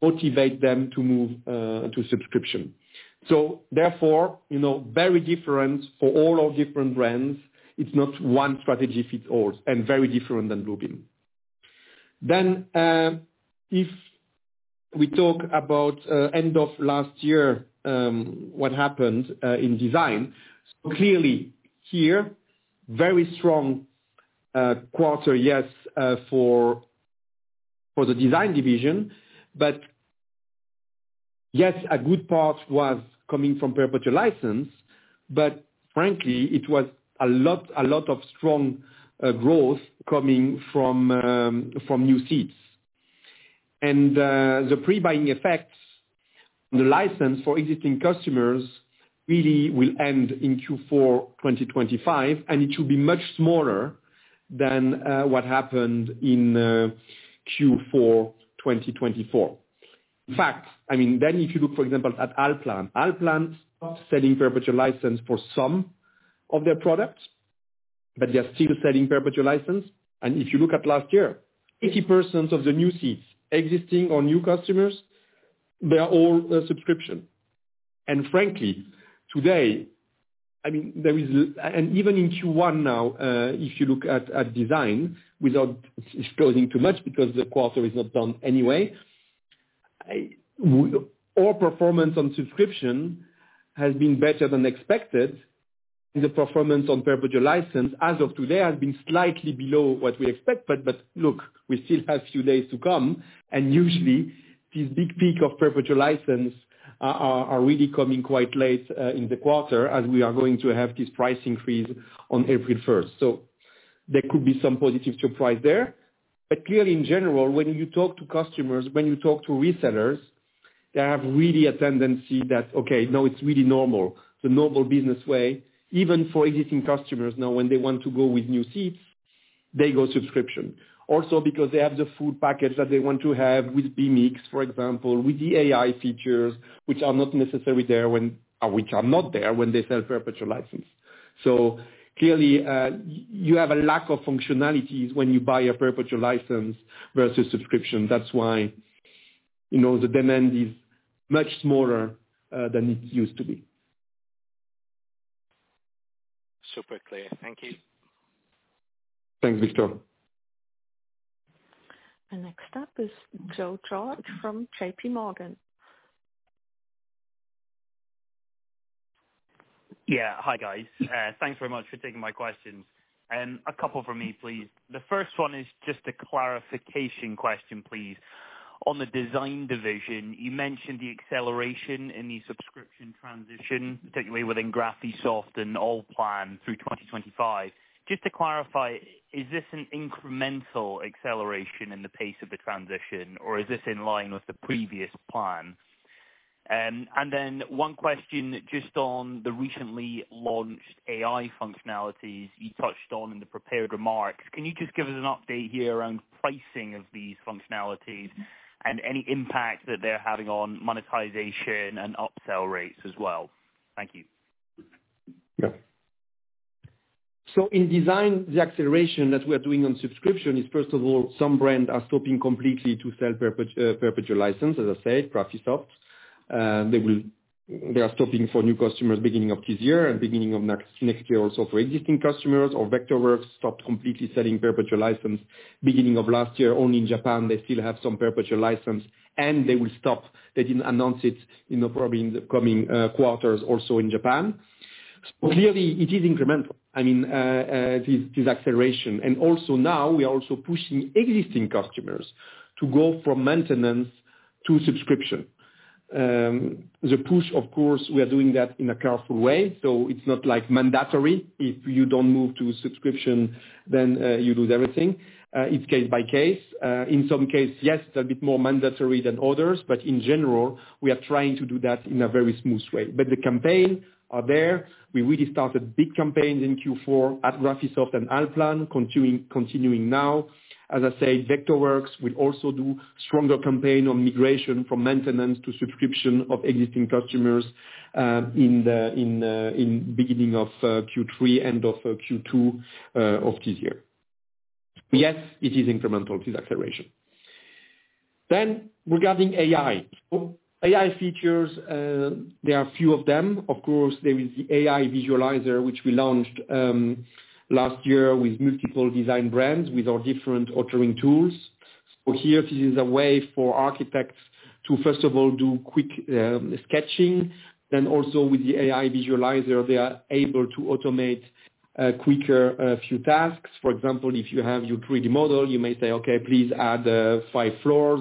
C: motivate them to move to subscription. Therefore, very different for all our different brands. It's not one strategy fits all and very different than Bluebeam. If we talk about end of last year, what happened in design. Clearly here, very strong quarter, yes, for the design division. Yes, a good part was coming from perpetual license. Frankly, it was a lot of strong growth coming from new seats. The pre-buying effects on the license for existing customers really will end in Q4 2025. It should be much smaller than what happened in Q4 2024. In fact, I mean, if you look, for example, at ALLPLAN, ALLPLAN stopped selling perpetual license for some of their products, but they are still selling perpetual license. If you look at last year, 80% of the new seats existing on new customers, they are all a subscription. Frankly, today, I mean, there is an even in Q1 now, if you look at design, without disclosing too much because the quarter is not done anyway, our performance on subscription has been better than expected. The performance on perpetual license as of today has been slightly below what we expect. Look, we still have a few days to come. Usually, these big peak of perpetual license are really coming quite late in the quarter as we are going to have this price increase on April 1. There could be some positive surprise there. Clearly, in general, when you talk to customers, when you talk to resellers, they have really a tendency that, okay, now it's really normal, the normal business way. Even for existing customers now, when they want to go with new seats, they go subscription. Also because they have the full package that they want to have with BIMx, for example, with the AI features, which are not there when they sell perpetual license. You have a lack of functionalities when you buy a perpetual license versus subscription. That is why the demand is much smaller than it used to be.
H: Super clear. Thank you.
C: Thanks, Victor.
A: Next up is Joe George from JPMorgan.
I: Yeah. Hi, guys. Thanks very much for taking my questions. A couple from me, please. The first one is just a clarification question, please. On the design division, you mentioned the acceleration in the subscription transition, particularly within Graphisoft and ALLPLAN through 2025. Just to clarify, is this an incremental acceleration in the pace of the transition, or is this in line with the previous plan? And then one question just on the recently launched AI functionalities you touched on in the prepared remarks. Can you just give us an update here around pricing of these functionalities and any impact that they're having on monetization and upsell rates as well? Thank you.
C: Yeah. In design, the acceleration that we are doing on subscription is, first of all, some brands are stopping completely to sell perpetual license, as I said, Graphisoft. They are stopping for new customers beginning of this year and beginning of next year also for existing customers. Vectorworks stopped completely selling perpetual license beginning of last year. Only in Japan, they still have some perpetual license, and they will stop. They did not announce it, probably in the coming quarters also in Japan. Clearly, it is incremental. I mean, this acceleration. Also now, we are also pushing existing customers to go from maintenance to subscription. The push, of course, we are doing that in a careful way. It is not mandatory. If you do not move to subscription, then you lose everything. It is case by case. In some cases, yes, it is a bit more mandatory than others. In general, we are trying to do that in a very smooth way. The campaigns are there. We really started big campaigns in Q4 at Graphisoft and ALLPLAN, continuing now. As I said, Vectorworks will also do a stronger campaign on migration from maintenance to subscription of existing customers in the beginning of Q3, end of Q2 of this year. Yes, it is incremental, this acceleration. Regarding AI, AI features, there are a few of them. Of course, there is the AI Visualizer, which we launched last year with multiple design brands with our different authoring tools. Here, this is a way for architects to, first of all, do quick sketching. Then also with the AI Visualizer, they are able to automate quicker few tasks. For example, if you have your 3D model, you may say, "Okay, please add five floors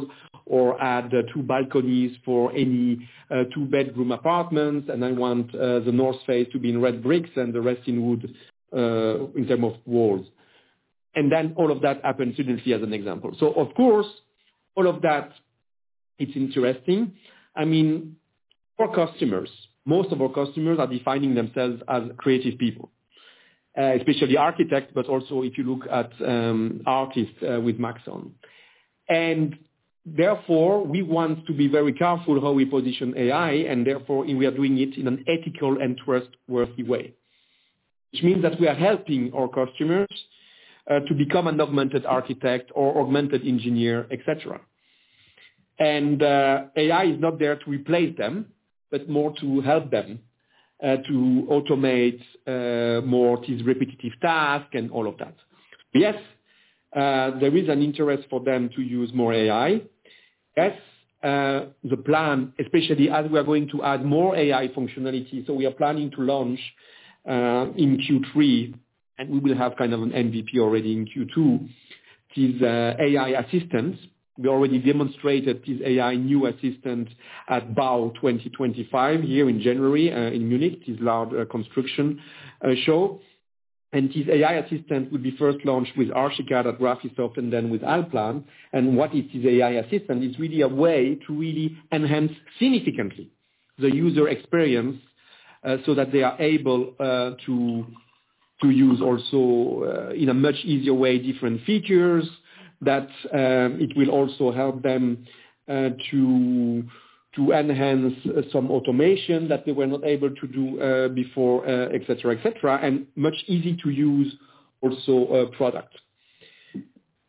C: or add two balconies for any two-bedroom apartments. I want the north face to be in red bricks and the rest in wood in terms of walls." All of that happens suddenly as an example. Of course, all of that, it's interesting. I mean, our customers, most of our customers are defining themselves as creative people, especially architects, but also if you look at artists with Maxon. Therefore, we want to be very careful how we position AI, and we are doing it in an ethical and trustworthy way, which means that we are helping our customers to become an augmented architect or augmented engineer, etc. AI is not there to replace them, but more to help them to automate more of these repetitive tasks and all of that. Yes, there is an interest for them to use more AI. Yes, the plan, especially as we are going to add more AI functionality, so we are planning to launch in Q3, and we will have kind of an MVP already in Q2, this AI assistant. We already demonstrated this AI new assistant at BAU 2025 here in January in Munich, this large construction show. This AI assistant will be first launched with ARCHICAD at Graphisoft and then with ALLPLAN. What is this AI assistant? It's really a way to really enhance significantly the user experience so that they are able to use also in a much easier way different features that it will also help them to enhance some automation that they were not able to do before, etc., etc., and much easy to use also product.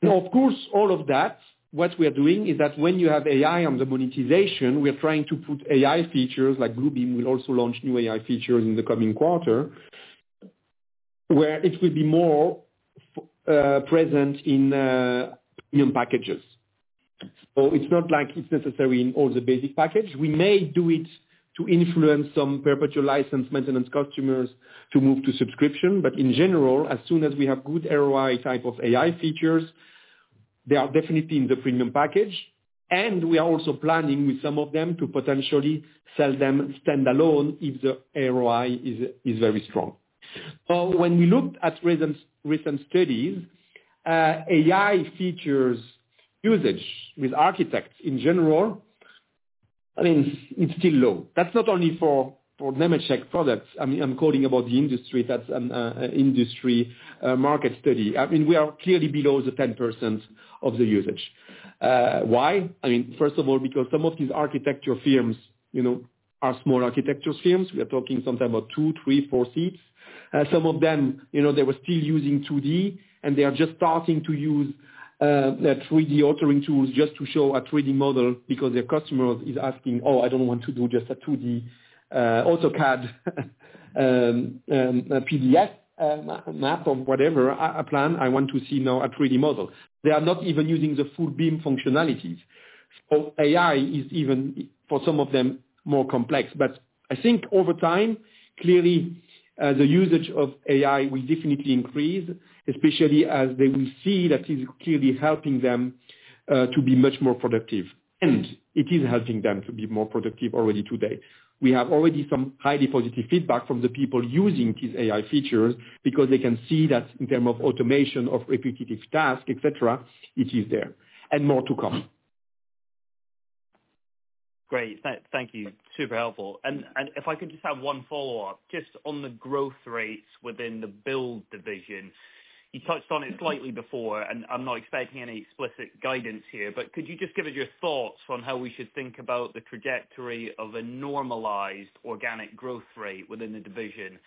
C: Of course, all of that, what we are doing is that when you have AI on the monetization, we are trying to put AI features like Bluebeam will also launch new AI features in the coming quarter where it will be more present in premium packages. It's not like it's necessary in all the basic package. We may do it to influence some perpetual license maintenance customers to move to subscription. In general, as soon as we have good ROI type of AI features, they are definitely in the premium package. We are also planning with some of them to potentially sell them standalone if the ROI is very strong. When we looked at recent studies, AI features usage with architects in general, I mean, it's still low. That's not only for Nemetschek products. I mean, I'm quoting about the industry. That's an industry market study. We are clearly below the 10% of the usage. Why? First of all, because some of these architecture firms are small architecture firms. We are talking sometimes about two, three, four seats. Some of them, they were still using 2D, and they are just starting to use 3D authoring tools just to show a 3D model because their customer is asking, "Oh, I don't want to do just a 2D AutoCAD PDF map of whatever I plan. I want to see now a 3D model." They are not even using the full BIM functionalities. AI is even, for some of them, more complex. I think over time, clearly, the usage of AI will definitely increase, especially as they will see that it is clearly helping them to be much more productive. It is helping them to be more productive already today. We have already some highly positive feedback from the people using these AI features because they can see that in terms of automation of repetitive tasks, etc., it is there and more to come.
I: Great. Thank you. Super helpful. If I can just have one follow-up, just on the growth rates within the Build division. You touched on it slightly before, and I'm not expecting any explicit guidance here, but could you just give us your thoughts on how we should think about the trajectory of a normalized organic growth rate within the division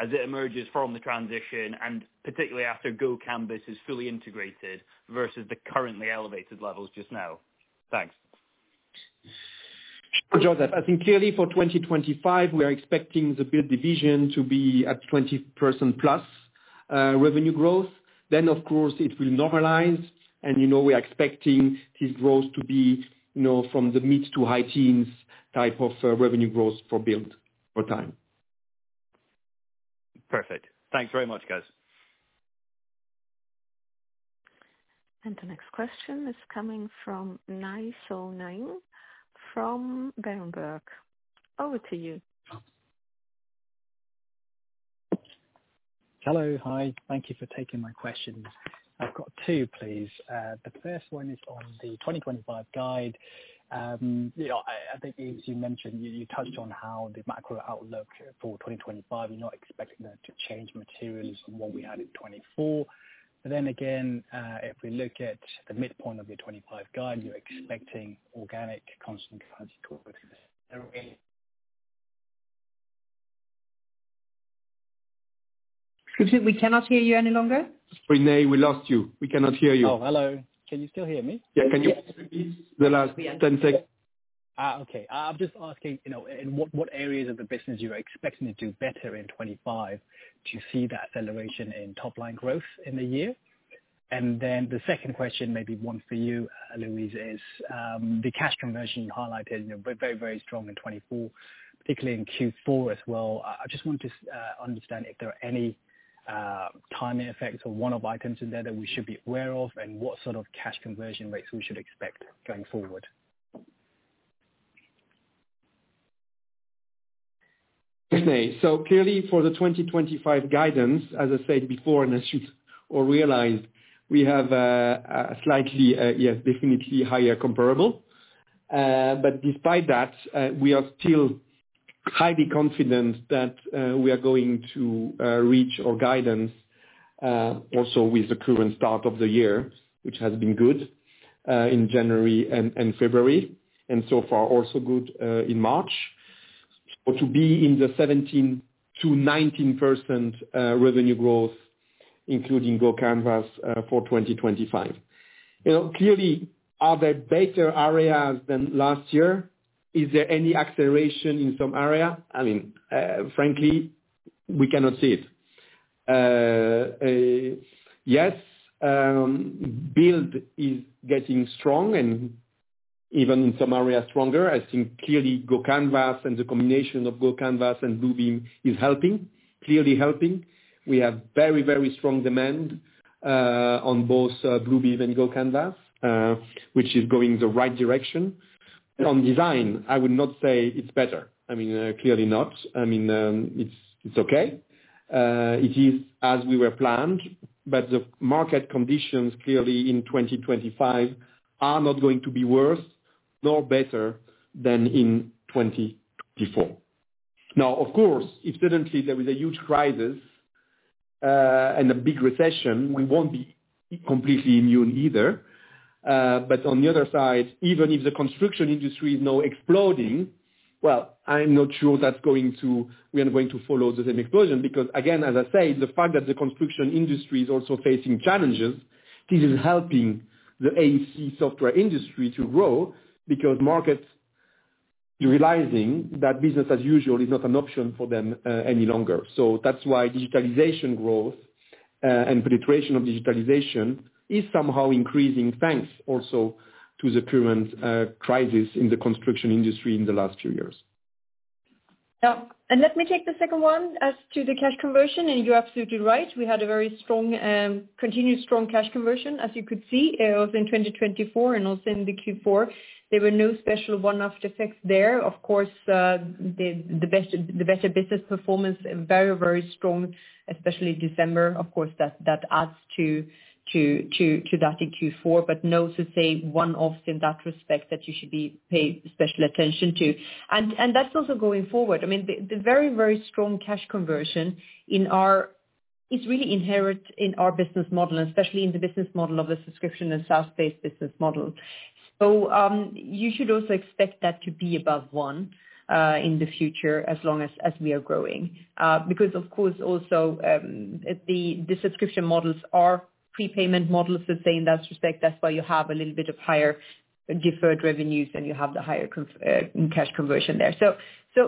I: as it emerges from the transition, and particularly after GoCanvas is fully integrated versus the currently elevated levels just now? Thanks.
C: Sure, Joe. I think clearly for 2025, we are expecting the Build division to be at 20%+ revenue growth. Of course, it will normalize. We are expecting this growth to be from the mid- to high-teens type of revenue growth for Build over time.
I: Perfect. Thanks very much, guys.
A: The next question is coming from Nay Soe Naing from Berenberg. Over to you.
J: Hello. Hi. Thank you for taking my questions. I've got two, please. The first one is on the 2025 guide. I think, as you mentioned, you touched on how the macro outlook for 2025, you're not expecting that to change materially from what we had in 2024. If we look at the midpoint of the 2025 guide, you're expecting organic constant transitory.
D: Excuse me, we cannot hear you any longer.
C: René, we lost you. We cannot hear you.
J: Oh, hello. Can you still hear me?
C: Yeah.
J: Can you answer me? The last 10 seconds. Okay. I'm just asking in what areas of the business you're expecting to do better in 2025 to see that acceleration in top-line growth in the year. The second question, maybe one for you, Louise, is the cash conversion highlighted very, very strong in 2024, particularly in Q4 as well. I just want to understand if there are any timing effects or one-off items in there that we should be aware of and what sort of cash conversion rates we should expect going forward.
C: Okay. Clearly, for the 2025 guidance, as I said before, and as you all realized, we have a slightly, yes, definitely higher comparable. Despite that, we are still highly confident that we are going to reach our guidance also with the current start of the year, which has been good in January and February, and so far also good in March, to be in the 17%-19% revenue growth, including GoCanvas for 2025. Clearly, are there better areas than last year? Is there any acceleration in some area? I mean, frankly, we cannot see it. Yes, build is getting strong and even in some areas stronger. I think clearly GoCanvas and the combination of GoCanvas and Bluebeam is helping, clearly helping. We have very, very strong demand on both Bluebeam and GoCanvas, which is going the right direction. On design, I would not say it's better. I mean, clearly not. I mean, it's okay. It is as we were planned, but the market conditions clearly in 2025 are not going to be worse nor better than in 2024. Now, of course, if suddenly there was a huge crisis and a big recession, we won't be completely immune either. On the other side, even if the construction industry is now exploding, I'm not sure that we are going to follow the same explosion because, again, as I said, the fact that the construction industry is also facing challenges, this is helping the AECO software industry to grow because markets are realizing that business as usual is not an option for them any longer. That is why digitalization growth and penetration of digitalization is somehow increasing thanks also to the current crisis in the construction industry in the last few years.
D: Yeah. Let me take the second one as to the cash conversion. You're absolutely right. We had a very continued strong cash conversion, as you could see, also in 2024 and also in Q4. There were no special one-off effects there. Of course, the better business performance is very, very strong, especially December. Of course, that adds to that in Q4, but no to say one-off in that respect that you should be paying special attention to. That is also going forward. I mean, the very, very strong cash conversion is really inherent in our business model, especially in the business model of the subscription and SaaS-based business model. You should also expect that to be above one in the future as long as we are growing because, of course, also the subscription models are prepayment models, so to say, in that respect, that is why you have a little bit of higher deferred revenues and you have the higher cash conversion there.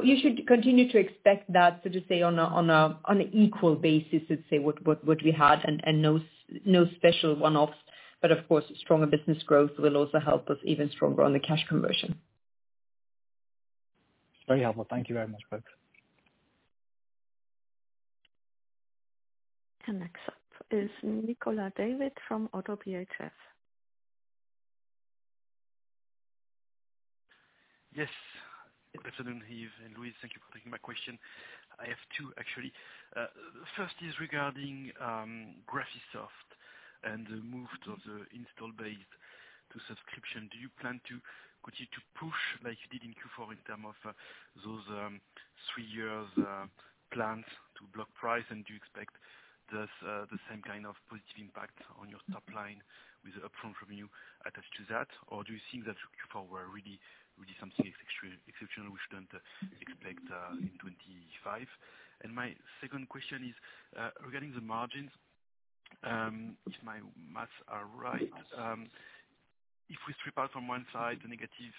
D: You should continue to expect that, so to say, on an equal basis, let's say, what we had and no special one-offs. Of course, stronger business growth will also help us even stronger on the cash conversion.
J: Very helpful. Thank you very much, folks.
A: Next up is Nicolas David from ODDO BHF.
K: Yes. Good afternoon, Yves and Louise. Thank you for taking my question. I have two, actually. First is regarding Graphisoft and the move of the install base to subscription. Do you plan to continue to push like you did in Q4 in terms of those three-year plans to block price? Do you expect the same kind of positive impact on your top line with the upfront revenue attached to that? Or do you think that Q4 was really something exceptional we should not expect in 2025? My second question is regarding the margins. If my maths are right, if we strip out from one side the negative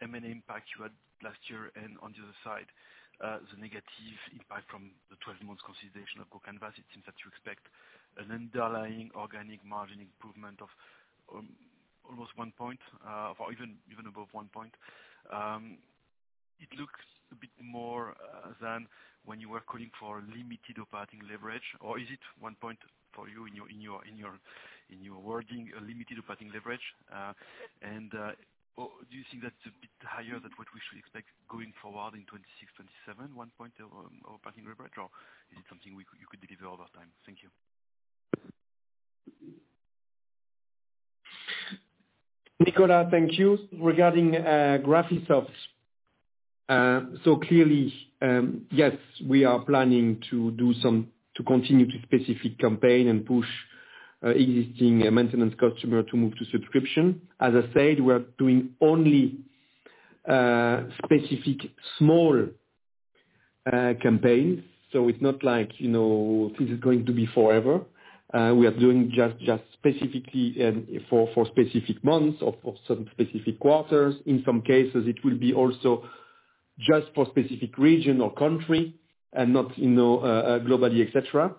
K: M&A impact you had last year and on the other side, the negative impact from the 12-month consolidation of GoCanvas, it seems that you expect an underlying organic margin improvement of almost one point or even above one point. It looks a bit more than when you were calling for limited operating leverage. Is it one point for you in your wording, a limited operating leverage? Do you think that's a bit higher than what we should expect going forward in 2026, 2027, one point of operating leverage? Is it something you could deliver over time? Thank you.
C: Nicola, thank you. Regarding Graphisoft, so clearly, yes, we are planning to continue to specific campaign and push existing maintenance customer to move to subscription. As I said, we are doing only specific small campaigns. It is not like this is going to be forever. We are doing just specifically for specific months or for some specific quarters. In some cases, it will be also just for a specific region or country and not globally, etc.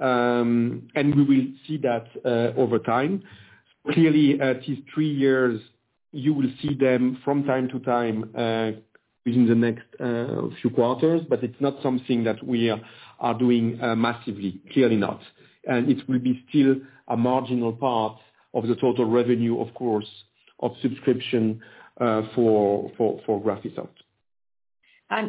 C: We will see that over time. Clearly, these three years, you will see them from time to time within the next few quarters, but it is not something that we are doing massively, clearly not. It will be still a marginal part of the total revenue, of course, of subscription for Graphisoft.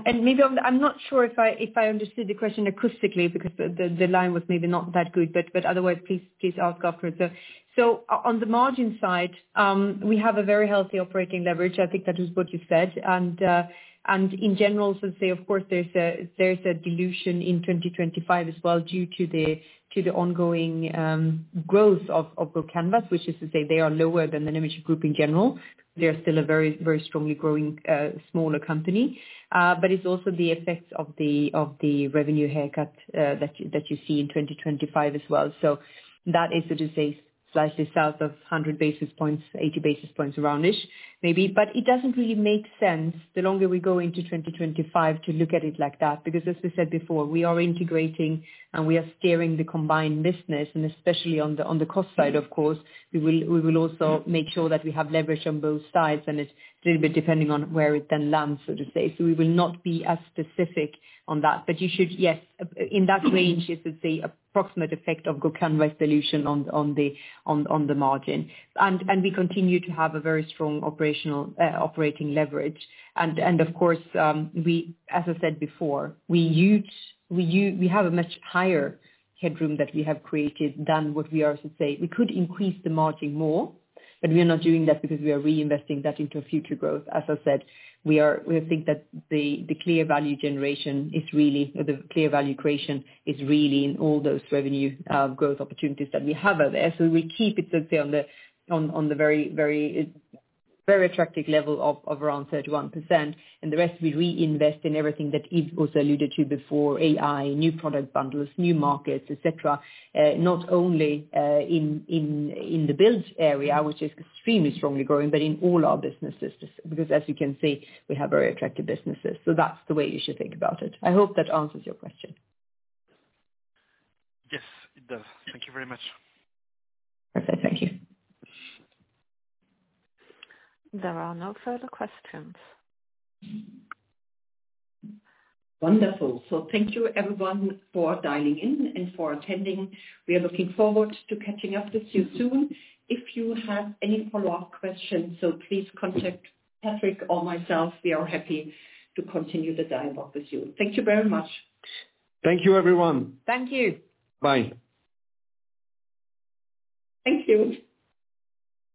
D: Maybe I am not sure if I understood the question acoustically because the line was maybe not that good, but otherwise, please ask afterwards. On the margin side, we have a very healthy operating leverage. I think that is what you said. In general, so to say, of course, there is a dilution in 2025 as well due to the ongoing growth of GoCanvas, which is to say they are lower than the Nemetschek Group in general. They are still a very, very strongly growing smaller company. It is also the effects of the revenue haircut that you see in 2025 as well. That is, so to say, slightly south of 100 basis points, 80 basis points around it maybe. It does not really make sense the longer we go into 2025 to look at it like that because, as we said before, we are integrating and we are steering the combined business. Especially on the cost side, of course, we will also make sure that we have leverage on both sides and it is a little bit depending on where it then lands, so to say. We will not be as specific on that. You should, yes, in that range, it is an approximate effect of GoCanvas dilution on the margin. We continue to have very strong operating leverage. Of course, as I said before, we have a much higher headroom that we have created than what we are, so to say. We could increase the margin more, but we are not doing that because we are reinvesting that into future growth. As I said, we think that the clear value generation is really the clear value creation is really in all those revenue growth opportunities that we have out there. We will keep it, so to say, on the very, very attractive level of around 31%. The rest, we reinvest in everything that Yves also alluded to before: AI, new product bundles, new markets, etc., not only in the build area, which is extremely strongly growing, but in all our businesses because, as you can see, we have very attractive businesses. That is the way you should think about it. I hope that answers your question.
K: Yes, it does. Thank you very much.
A: Perfect. Thank you. There are no further questions.
B: Wonderful. Thank you, everyone, for dialing in and for attending. We are looking forward to catching up with you soon. If you have any follow-up questions, please contact Patrick or myself. We are happy to continue the dialogue with you. Thank you very much.
C: Thank you, everyone.
D: Thank you.
C: Bye.
B: Thank you.